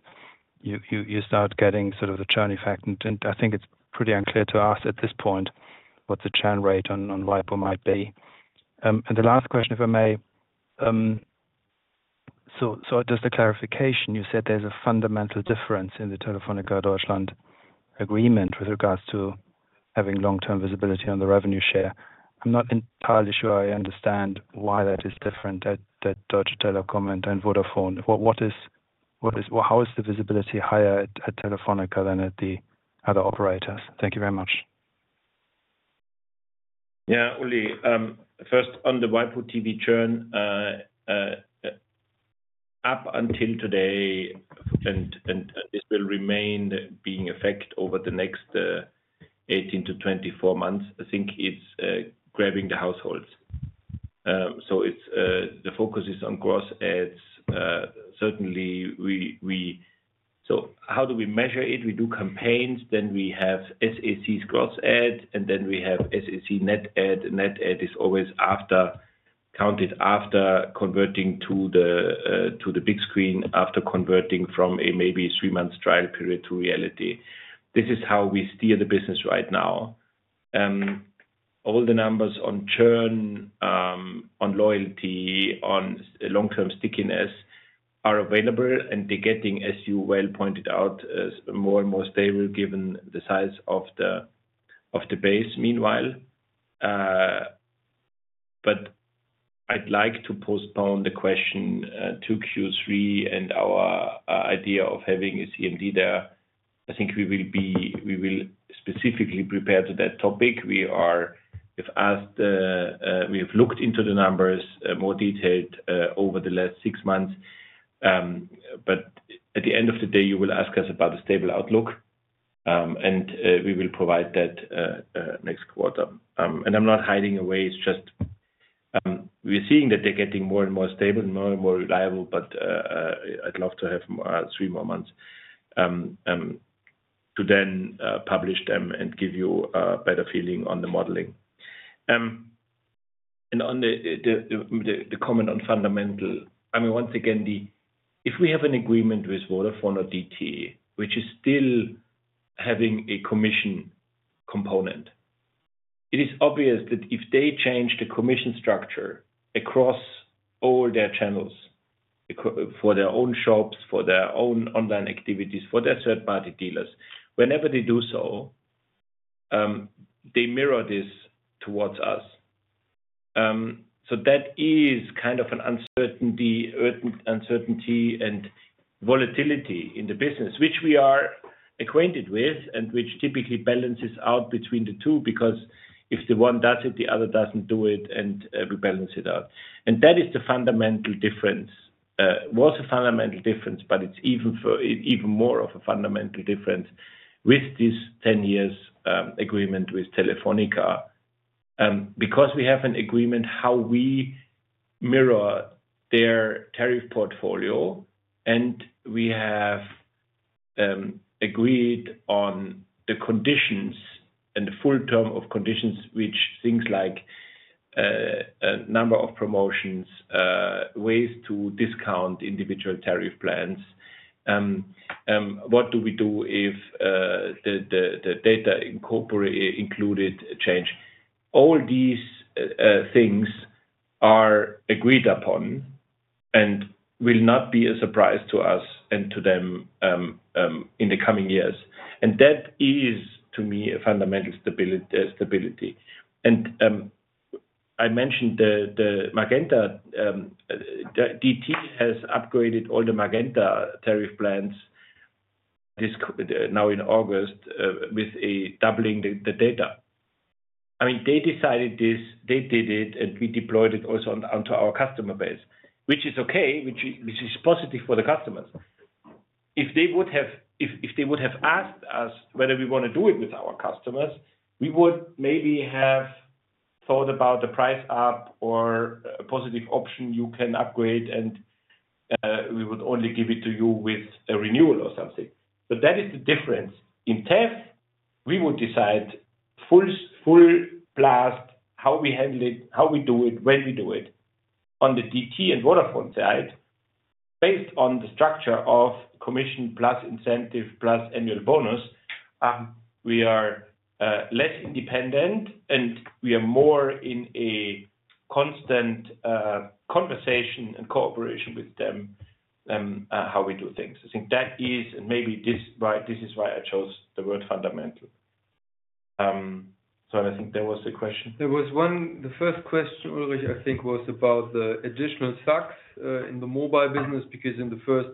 you start getting sort of the churn effect. And I think it's pretty unclear to us at this point, what the churn rate on Waipu might be. And the last question, if I may, so just a clarification, you said there's a fundamental difference in the Telefónica Deutschland agreement with regards to having long-term visibility on the revenue share. I'm not entirely sure I understand why that is different at Deutsche Telekom and Vodafone. Well, how is the visibility higher at Telefónica than at the other operators? Thank you very much. Yeah, Uli, first, on the Waipu.tv churn, up until today, and this will remain in effect over the next 18-24 months, I think it's grabbing the households. So it's the focus is on gross adds. Certainly, we-- So how do we measure it? We do campaigns, then we have SAC gross add, and then we have SAC net add. Net add is always after, counted after converting to the big screen, after converting from a maybe three months trial period to reality. This is how we steer the business right now. All the numbers on churn, on loyalty, on long-term stickiness are available, and they're getting, as you well pointed out, as more and more stable, given the size of the base meanwhile. But I'd like to postpone the question to Q3 and our idea of having a CMD there. I think we will specifically prepare to that topic. We've asked, we have looked into the numbers more detailed over the last six months. But at the end of the day, you will ask us about the stable outlook, and we will provide that next quarter. And I'm not hiding away, it's just, we're seeing that they're getting more and more stable and more and more reliable, but I'd love to have three more months to then publish them and give you a better feeling on the modeling. And on the comment on fundamental, I mean, once again, the. If we have an agreement with Vodafone or DT, which is still having a commission component, it is obvious that if they change the commission structure across all their channels, equal for their own shops, for their own online activities, for their third-party dealers, whenever they do so, they mirror this towards us. So that is kind of an uncertainty, uncertainty and volatility in the business, which we are acquainted with, and which typically balances out between the two. Because if the one does it, the other doesn't do it, and we balance it out. And that is the fundamental difference. Was a fundamental difference, but it's even for, even more of a fundamental difference with this 10 years agreement with Telefónica. Because we have an agreement how we mirror their tariff portfolio, and we have agreed on the conditions and the full terms and conditions, which things like a number of promotions, ways to discount individual tariff plans, what do we do if the data included change. All these things are agreed upon and will not be a surprise to us and to them in the coming years. That is, to me, a fundamental stability. I mentioned the Magenta; DT has upgraded all the Magenta tariff plans, this change now in August, with a doubling of the data. I mean, they decided this, they did it, and we deployed it also on to our customer base, which is okay, which is positive for the customers. If they would have asked us whether we want to do it with our customers, we would maybe have thought about the price up or a positive option you can upgrade, and we would only give it to you with a renewal or something. But that is the difference. In TEF, we would decide full blast, how we handle it, how we do it, when we do it. On the DT and Vodafone side, based on the structure of commission plus incentive, plus annual bonus, we are less independent, and we are more in a constant conversation and cooperation with them, how we do things. I think that is, and maybe this, right, this is why I chose the word fundamental. So I think that was the question. The first question, Uli, I think, was about the additional facts in the mobile business, because in the first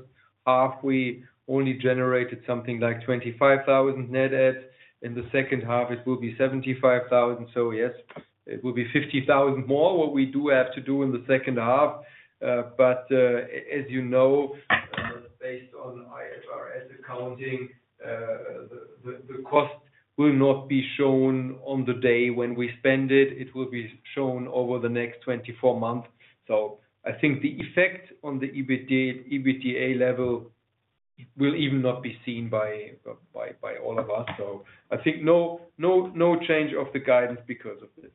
half, we only generated something like 25,000 net adds. In the second half, it will be 75,000. So yes, it will be 50,000 more. What we do have to do in the second half, but as you know, based on IFRS accounting, the cost will not be shown on the day when we spend it. It will be shown over the next 24 months. So I think the effect on the EBIT, EBITDA level will even not be seen by all of us. So I think no, no, no change of the guidance because of this.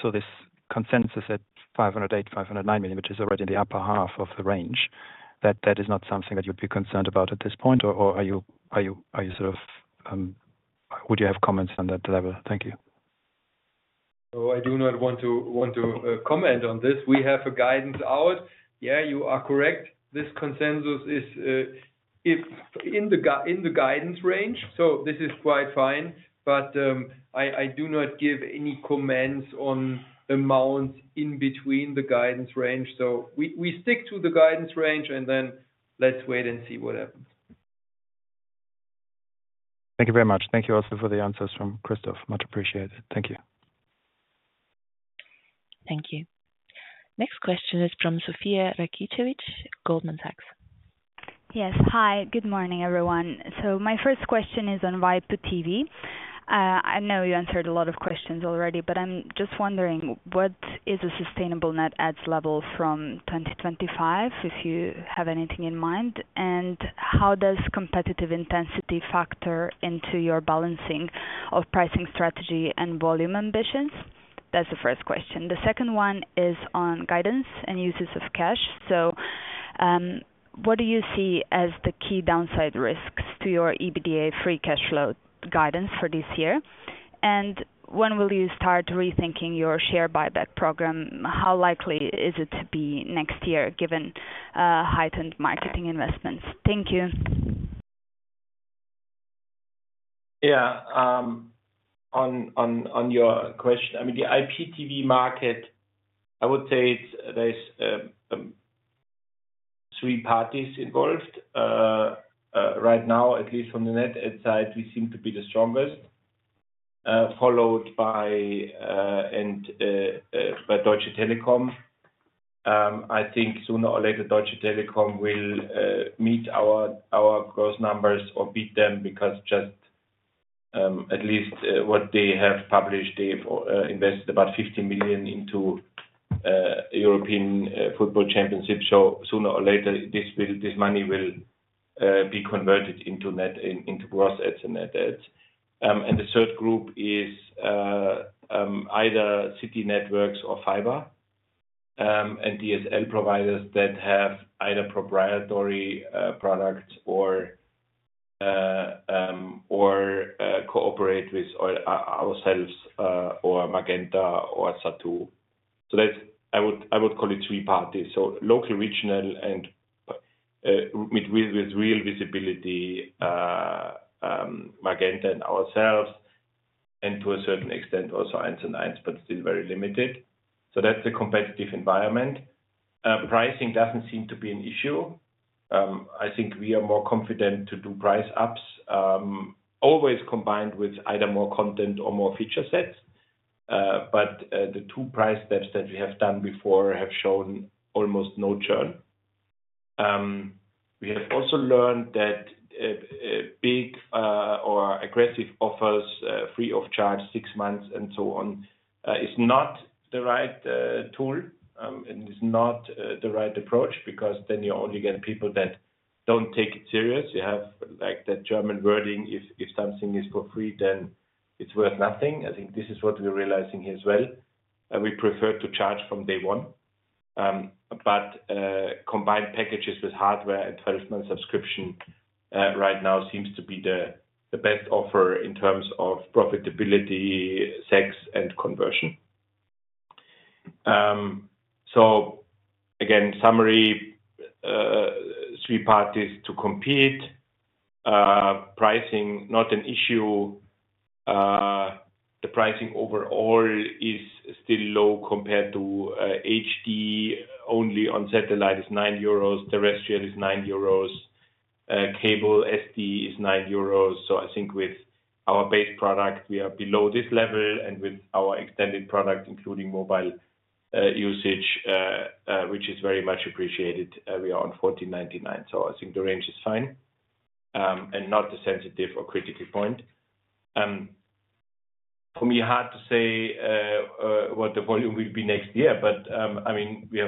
So this consensus at 508 million, 509 million, which is already in the upper half of the range, that is not something that you'd be concerned about at this point, or are you sort of would you have comments on that level? Thank you. So I do not want to comment on this. We have a guidance out. Yeah, you are correct. This consensus is, it's in the guidance range, so this is quite fine. But, I do not give any comments on amounts in between the guidance range. So we stick to the guidance range, and then let's wait and see what happens. Thank you very much. Thank you also for the answers from Christoph. Much appreciated. Thank you. Thank you. Next question is from Sofija Rakicevic, Goldman Sachs. Yes. Hi, good morning, everyone. So my first question is on Waipu TV. I know you answered a lot of questions already, but I'm just wondering, what is a sustainable net adds level from 2025, if you have anything in mind? And how does competitive intensity factor into your balancing of pricing, strategy, and volume ambitions? That's the first question. The second one is on guidance and uses of cash. So, what do you see as the key downside risks to your EBITDA free cash flow guidance for this year? And when will you start rethinking your share buyback program? How likely is it to be next year, given heightened marketing investments? Thank you. Yeah, on your question, I mean, the IPTV market, I would say there's three parties involved. Right now, at least from the net side, we seem to be the strongest, followed by Deutsche Telekom. I think sooner or later, Deutsche Telekom will meet our gross numbers or beat them, because just, at least what they have published, they've invested about 50 million into European Championship. So sooner or later, this money will be converted into gross adds and net adds. And the third group is either city networks or fiber, and DSL providers that have either proprietary products or cooperate with ourselves, or Magenta or Zattoo. So that's I would call it three parties. So local, regional, and with real visibility, Magenta and ourselves, and to a certain extent, also into 1&1's, but still very limited. So that's the competitive environment. Pricing doesn't seem to be an issue. I think we are more confident to do price ups, always combined with either more content or more feature sets. But the two-price steps that we have done before have shown almost no churn. We have also learned that big or aggressive offers, free of charge, six months and so on, is not the right tool and is not the right approach, because then you only get people that don't take it serious. You have, like, that German wording, if something is for free, then it's worth nothing. I think this is what we're realizing here as well. We prefer to charge from day one. But combined packages with hardware and 12-month subscription right now seems to be the best offer in terms of profitability, SAC, and conversion. So again, summary, three parties to compete. Pricing, not an issue. The pricing overall is still low compared to HD only on satellite is 9 euros, terrestrial is 9 euros, cable SD is 9 euros. So I think with our base product, we are below this level, and with our extended product, including mobile usage, which is very much appreciated, we are on 14.99. So I think the range is fine, and not a sensitive or critical point. For me, hard to say what the volume will be next year, but, I mean, we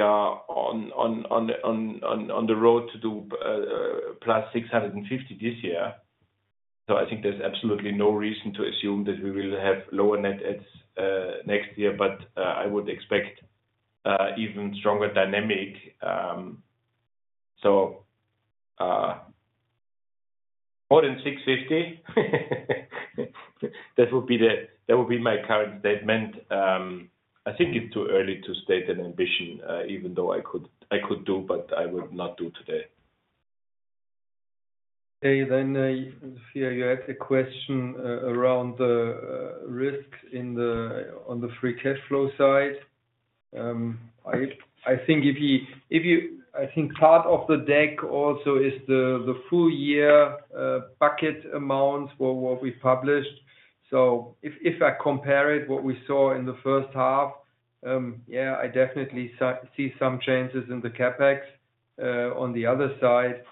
are on the road to do +650 this year. So I think there's absolutely no reason to assume that we will have lower net adds next year, but I would expect even stronger dynamic. So, more than 650. That would be the—that would be my current statement. I think it's too early to state an ambition, even though I could, I could do, but I would not do today. Okay, then, Sofija, you had a question around the risk in the on the free cash flow side. I think part of the deck also is the full year bucket amount for what we published. So if I compare it, what we saw in the first half. Yeah, I definitely see some changes in the CapEx. On the other side,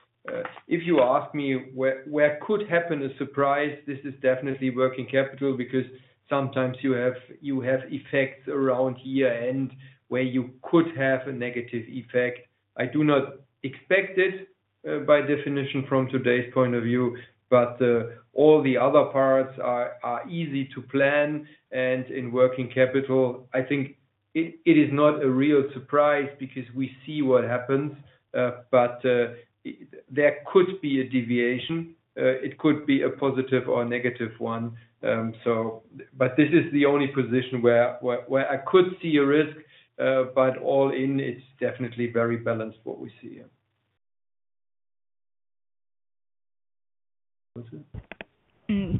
if you ask me where could happen a surprise, this is definitely working capital, because sometimes you have effects around year-end, where you could have a negative effect. I do not expect it, by definition from today's point of view, but all the other parts are easy to plan, and in working capital, I think it is not a real surprise because we see what happens. But there could be a deviation. It could be a positive or negative one. But this is the only position where I could see a risk, but all in, it's definitely very balanced what we see here.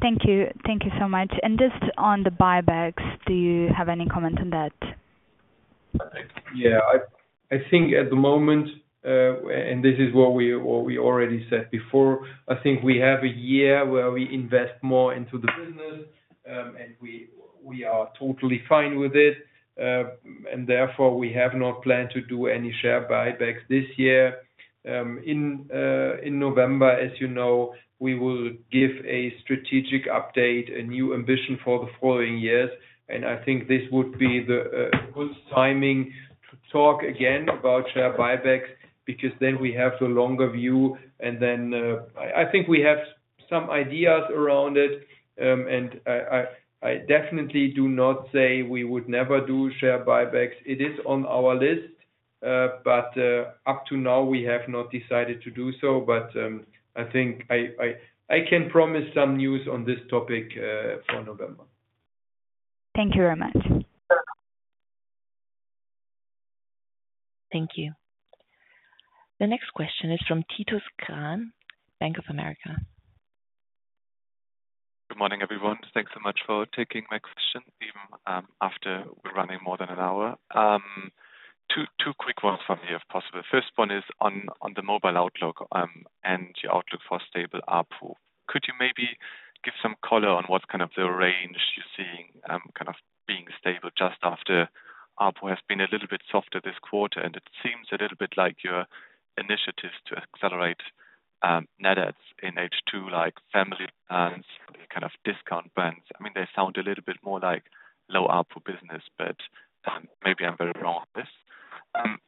Thank you. Thank you so much. Just on the buybacks, do you have any comment on that? Yeah, I think at the moment, and this is what we already said before, I think we have a year where we invest more into the business, and we are totally fine with it. And therefore, we have not planned to do any share buybacks this year. In November, as you know, we will give a strategic update, a new ambition for the following years, and I think this would be the good timing to talk again about share buybacks, because then we have the longer view. And then, I think we have some ideas around it, and I definitely do not say we would never do share buybacks. It is on our list, but up to now, we have not decided to do so. But, I think I can promise some news on this topic for November. Thank you very much. Thank you. The next question is from Titus Krahn, Bank of America. Good morning, everyone. Thanks so much for taking my question, even after we're running more than an hour. Two quick ones from me, if possible. First one is on the mobile outlook and your outlook for stable ARPU. Could you maybe give some color on what kind of the range you're seeing kind of being stable just after ARPU has been a little bit softer this quarter? And it seems a little bit like your initiatives to accelerate net adds in H2, like family plans, kind of discount plans. I mean, they sound a little bit more like low ARPU business, but maybe I'm very wrong on this.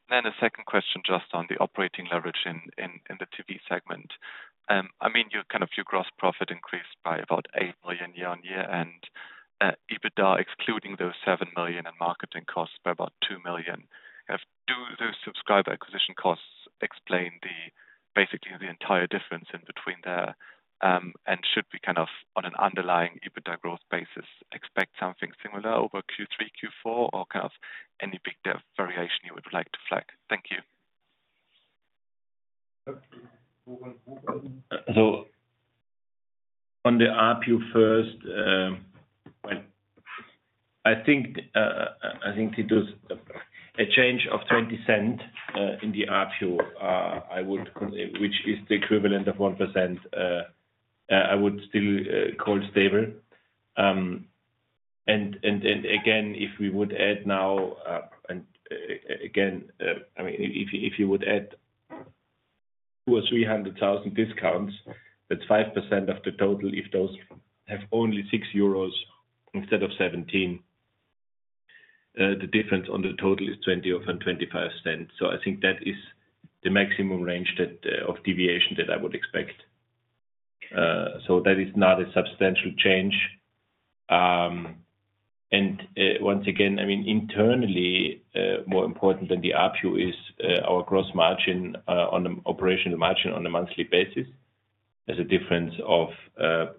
Then the second question, just on the operating leverage in the TV segment. I mean, your kind of, your gross profit increased by about 8 million year-over-year, and EBITDA, excluding those 7 million in marketing costs, by about 2 million. Do those subscriber acquisition costs explain the, basically the entire difference in between there, and should we kind of, on an underlying EBITDA growth basis, expect something similar over Q3, Q4, or kind of any big variation you would like to flag? Thank you. So on the ARPU first, I think it is a change of 0.20 in the ARPU, which is the equivalent of 1%. I would still call stable. And again, if we would add now, and again, I mean, if you would add 200,000 or 300,000 discounts, that's 5% of the total, if those have only 6 euros instead of 17, the difference on the total is 0.20 or 0.25. So I think that is the maximum range of deviation that I would expect. So that is not a substantial change. And once again, I mean, internally, more important than the ARPU is our gross margin on the operational margin on a monthly basis. There's a difference of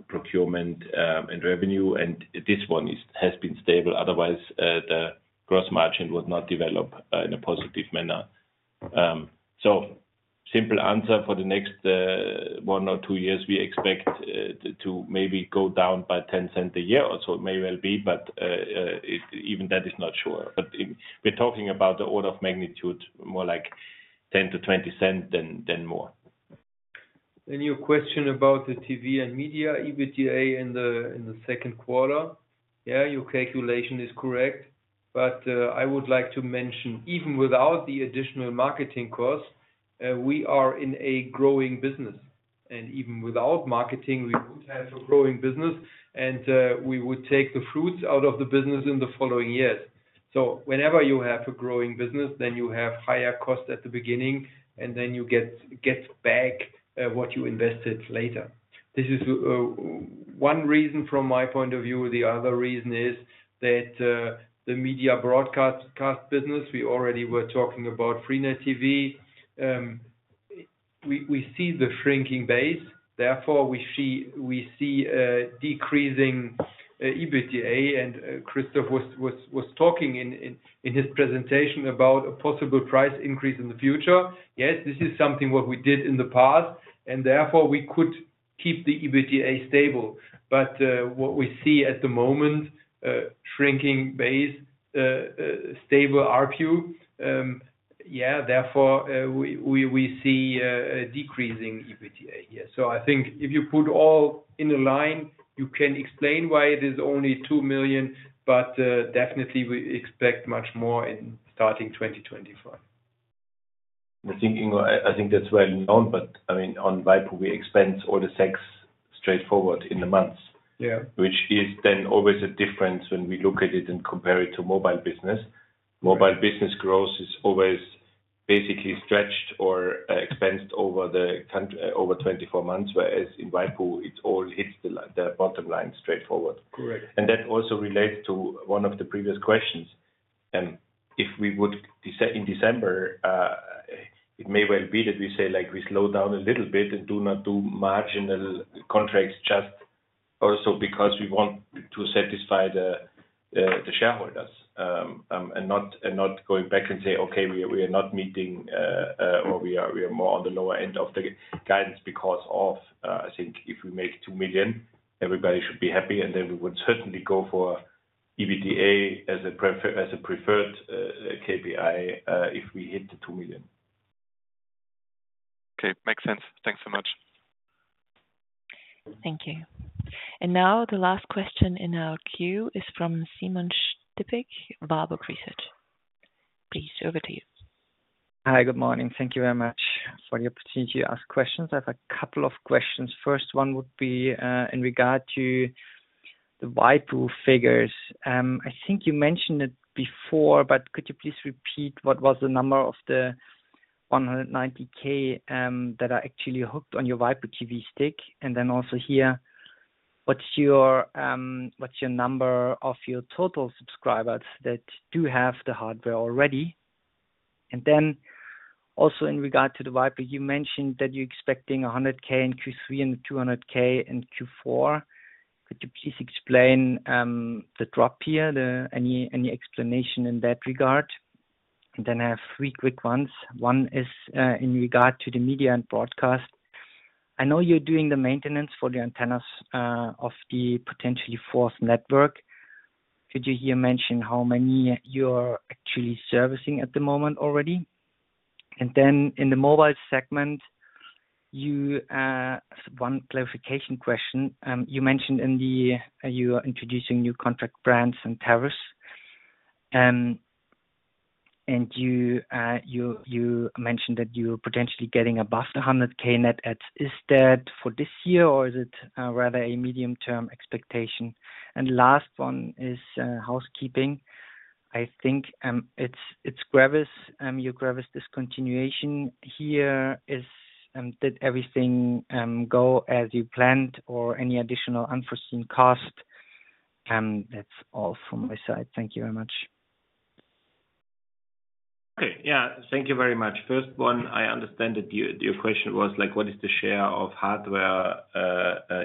procurement and revenue, and this one is, has been stable, otherwise the gross margin would not develop in a positive manner. So simple answer for the next one or two years, we expect to maybe go down by 0.10 a year or so. It may well be, but even that is not sure. But we're talking about the order of magnitude, more like 0.10-0.20 than more. And your question about the TV and media EBITDA in the second quarter, yeah, your calculation is correct. But I would like to mention, even without the additional marketing costs, we are in a growing business, and even without marketing, we would have a growing business, and we would take the fruits out of the business in the following years. So whenever you have a growing business, then you have higher costs at the beginning, and then you get back what you invested later. This is one reason from my point of view. The other reason is that the Media Broadcast business, we already were talking about freenet TV. We see the shrinking base, therefore, we see decreasing EBITDA. And Christoph was talking in his presentation about a possible price increase in the future. Yes, this is something what we did in the past, and therefore, we could keep the EBITDA stable. But what we see at the moment, shrinking base, stable ARPU... yeah, therefore, we see a decreasing EBITDA here. So I think if you put all in a line, you can explain why it is only 2 million, but, definitely we expect much more in starting 2025. I'm thinking, I think that's well known, but I mean, on Waipu, we expense all the SACs straightforward in the months. Yeah. Which is then always a difference when we look at it and compare it to mobile business. Mobile business growth is always basically stretched or expensed over 24 months, whereas in Waipu, it all hits the bottom line straightforward. Correct. That also relates to one of the previous questions. If we would decide in December, it may well be that we say, like, we slow down a little bit and do not do marginal contracts just also because we want to satisfy the shareholders. And not going back and say, "Okay, we are not meeting or we are more on the lower end of the guidance," because I think if we make 2 million, everybody should be happy, and then we would certainly go for EBITDA as a preferred KPI if we hit the 2 million. Okay. Makes sense. Thanks so much. Thank you. And now the last question in our queue is from Simon Stippig, Warburg Research. Please, over to you. Hi, good morning. Thank you very much for the opportunity to ask questions. I have a couple of questions. First one would be in regard to the Waipu figures. I think you mentioned it before, but could you please repeat what was the number of the 190,000 that are actually hooked on your Waipu TV stick? And then also here, what's your number of your total subscribers that do have the hardware already? And then also in regard to the Waipu, you mentioned that you're expecting 100,000 in Q3 and 200,000 in Q4. Could you please explain the drop here? Any explanation in that regard? And then I have three quick ones. One is in regard to the media and broadcast. I know you're doing the maintenance for the antennas of the potentially fourth network. Could you here mention how many you're actually servicing at the moment already? And then in the mobile segment, you, one clarification question. You mentioned in the, you are introducing new contract brands and tariffs, and you, you mentioned that you are potentially getting above 100K net adds. Is that for this year, or is it rather a medium-term expectation? And last one is housekeeping. I think, it's, it's Gravis, your Gravis discontinuation. Here, is, did everything, go as you planned or any additional unforeseen cost? That's all from my side. Thank you very much. Okay. Yeah, thank you very much. First one, I understand that your question was like, what is the share of hardware,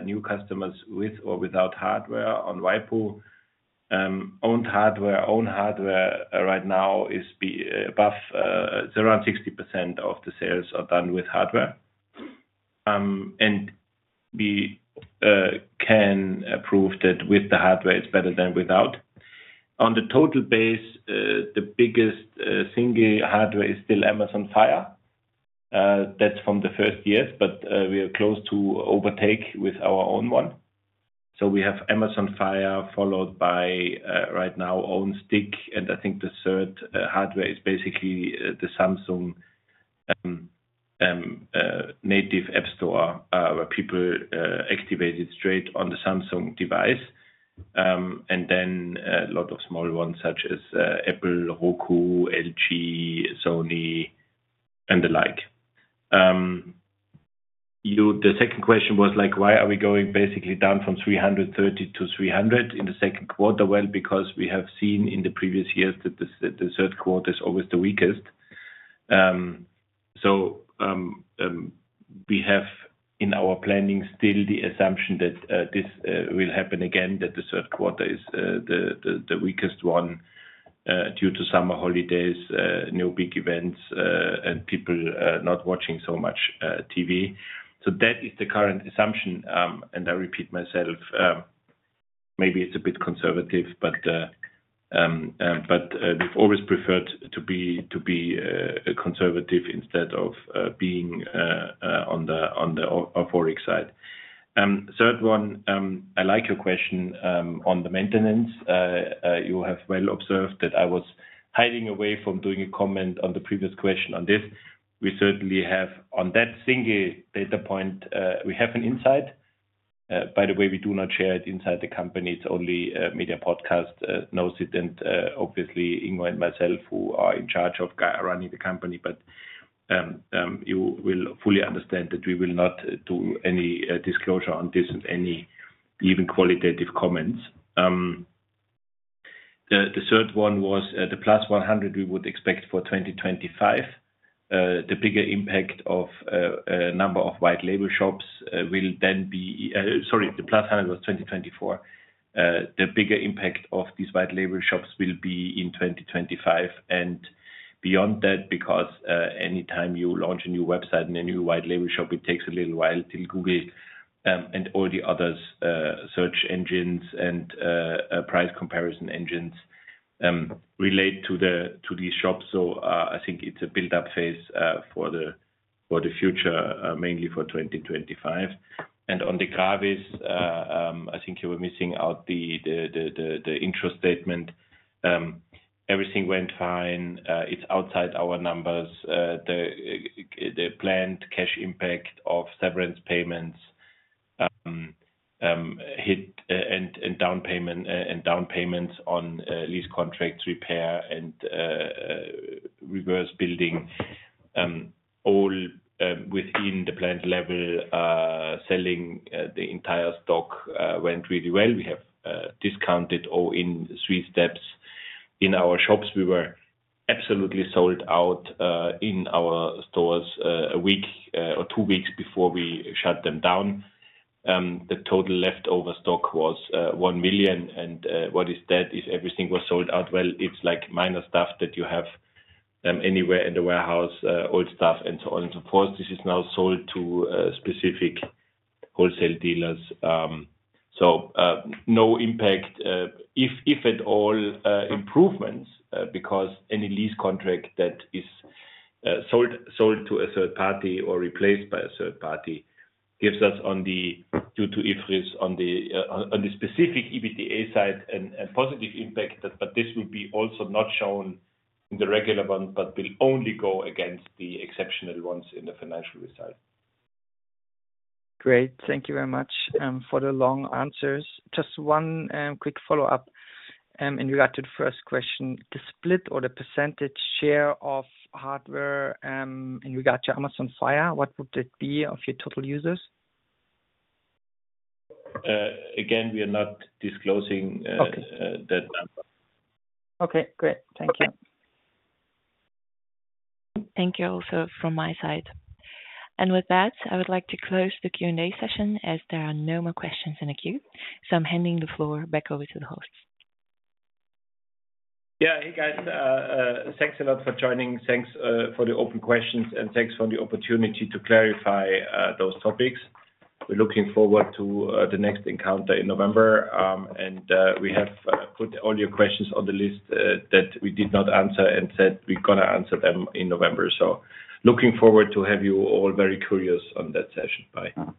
new customers with or without hardware on Waipu? Owned hardware. Owned hardware right now is above around 60% of the sales are done with hardware. And we can prove that with the hardware, it's better than without. On the total base, the biggest single hardware is still Amazon Fire. That's from the first years, but we are close to overtake with our own one. So we have Amazon Fire, followed by right now, own stick, and I think the third hardware is basically the Samsung native app store, where people activate it straight on the Samsung device. And then a lot of small ones such as Apple, Roku, LG, Sony, and the like. The second question was like, why are we going basically down from 330,000 to 300,000 in the second quarter? Well, because we have seen in the previous years that the third quarter is always the weakest. So, we have in our planning still the assumption that this will happen again, that the third quarter is the weakest one, due to summer holidays, no big events, and people not watching so much TV. So that is the current assumption, and I repeat myself, maybe it's a bit conservative, but, but, we've always preferred to be, to be, conservative instead of, being, on the euphoric side. Third one, I like your question, on the maintenance. You have well observed that I was hiding away from doing a comment on the previous question on this. We certainly have on that single data point, we have an insight. By the way, we do not share it inside the company. It's only, Media Broadcast, knows it, and, obviously, Ingo and myself, who are in charge of running the company. But, you will fully understand that we will not do any, disclosure on this, any even qualitative comments. The third one was the +100 we would expect for 2025. The bigger impact of a number of white label shops will then be... Sorry, the +100 was 2024. The bigger impact of these white label shops will be in 2025 and beyond that, because anytime you launch a new website and a new white label shop, it takes a little while till Google and all the others, search engines and price comparison engines relate to these shops. So, I think it's a build-up phase for the future, mainly for 2025. And on the Gravis, I think you were missing out the interest statement. Everything went fine. It's outside our numbers. The planned cash impact of severance payments hit and down payments on lease contracts, repair, and reverse building all within the planned level. Selling the entire stock went really well. We have discounted all in three steps. In our shops, we were absolutely sold out in our stores a week or two weeks before we shut them down. The total leftover stock was 1 million, and what is that? Everything was sold out. Well, it's like minor stuff that you have anywhere in the warehouse, old stuff and so on. And of course, this is now sold to specific wholesale dealers. So, no impact, if at all, improvements, because any lease contract that is sold to a third party or replaced by a third party gives us, due to IFRS, on the specific EBITDA side, and positive impact. But this will also not be shown in the regular one, but will only go against the exceptional ones in the financial result. Great. Thank you very much for the long answers. Just one quick follow-up in regard to the first question. The split or the percentage share of hardware in regard to Amazon Fire, what would it be of your total users? Again, we are not disclosing, Okay. - that number. Okay, great. Thank you. Thank you also from my side. With that, I would like to close the Q&A session as there are no more questions in the queue, so I'm handing the floor back over to the host. Yeah. Hey, guys, thanks a lot for joining. Thanks for the open questions, and thanks for the opportunity to clarify those topics. We're looking forward to the next encounter in November. And we have put all your questions on the list that we did not answer and said we're gonna answer them in November. So looking forward to have you all very curious on that session. Bye.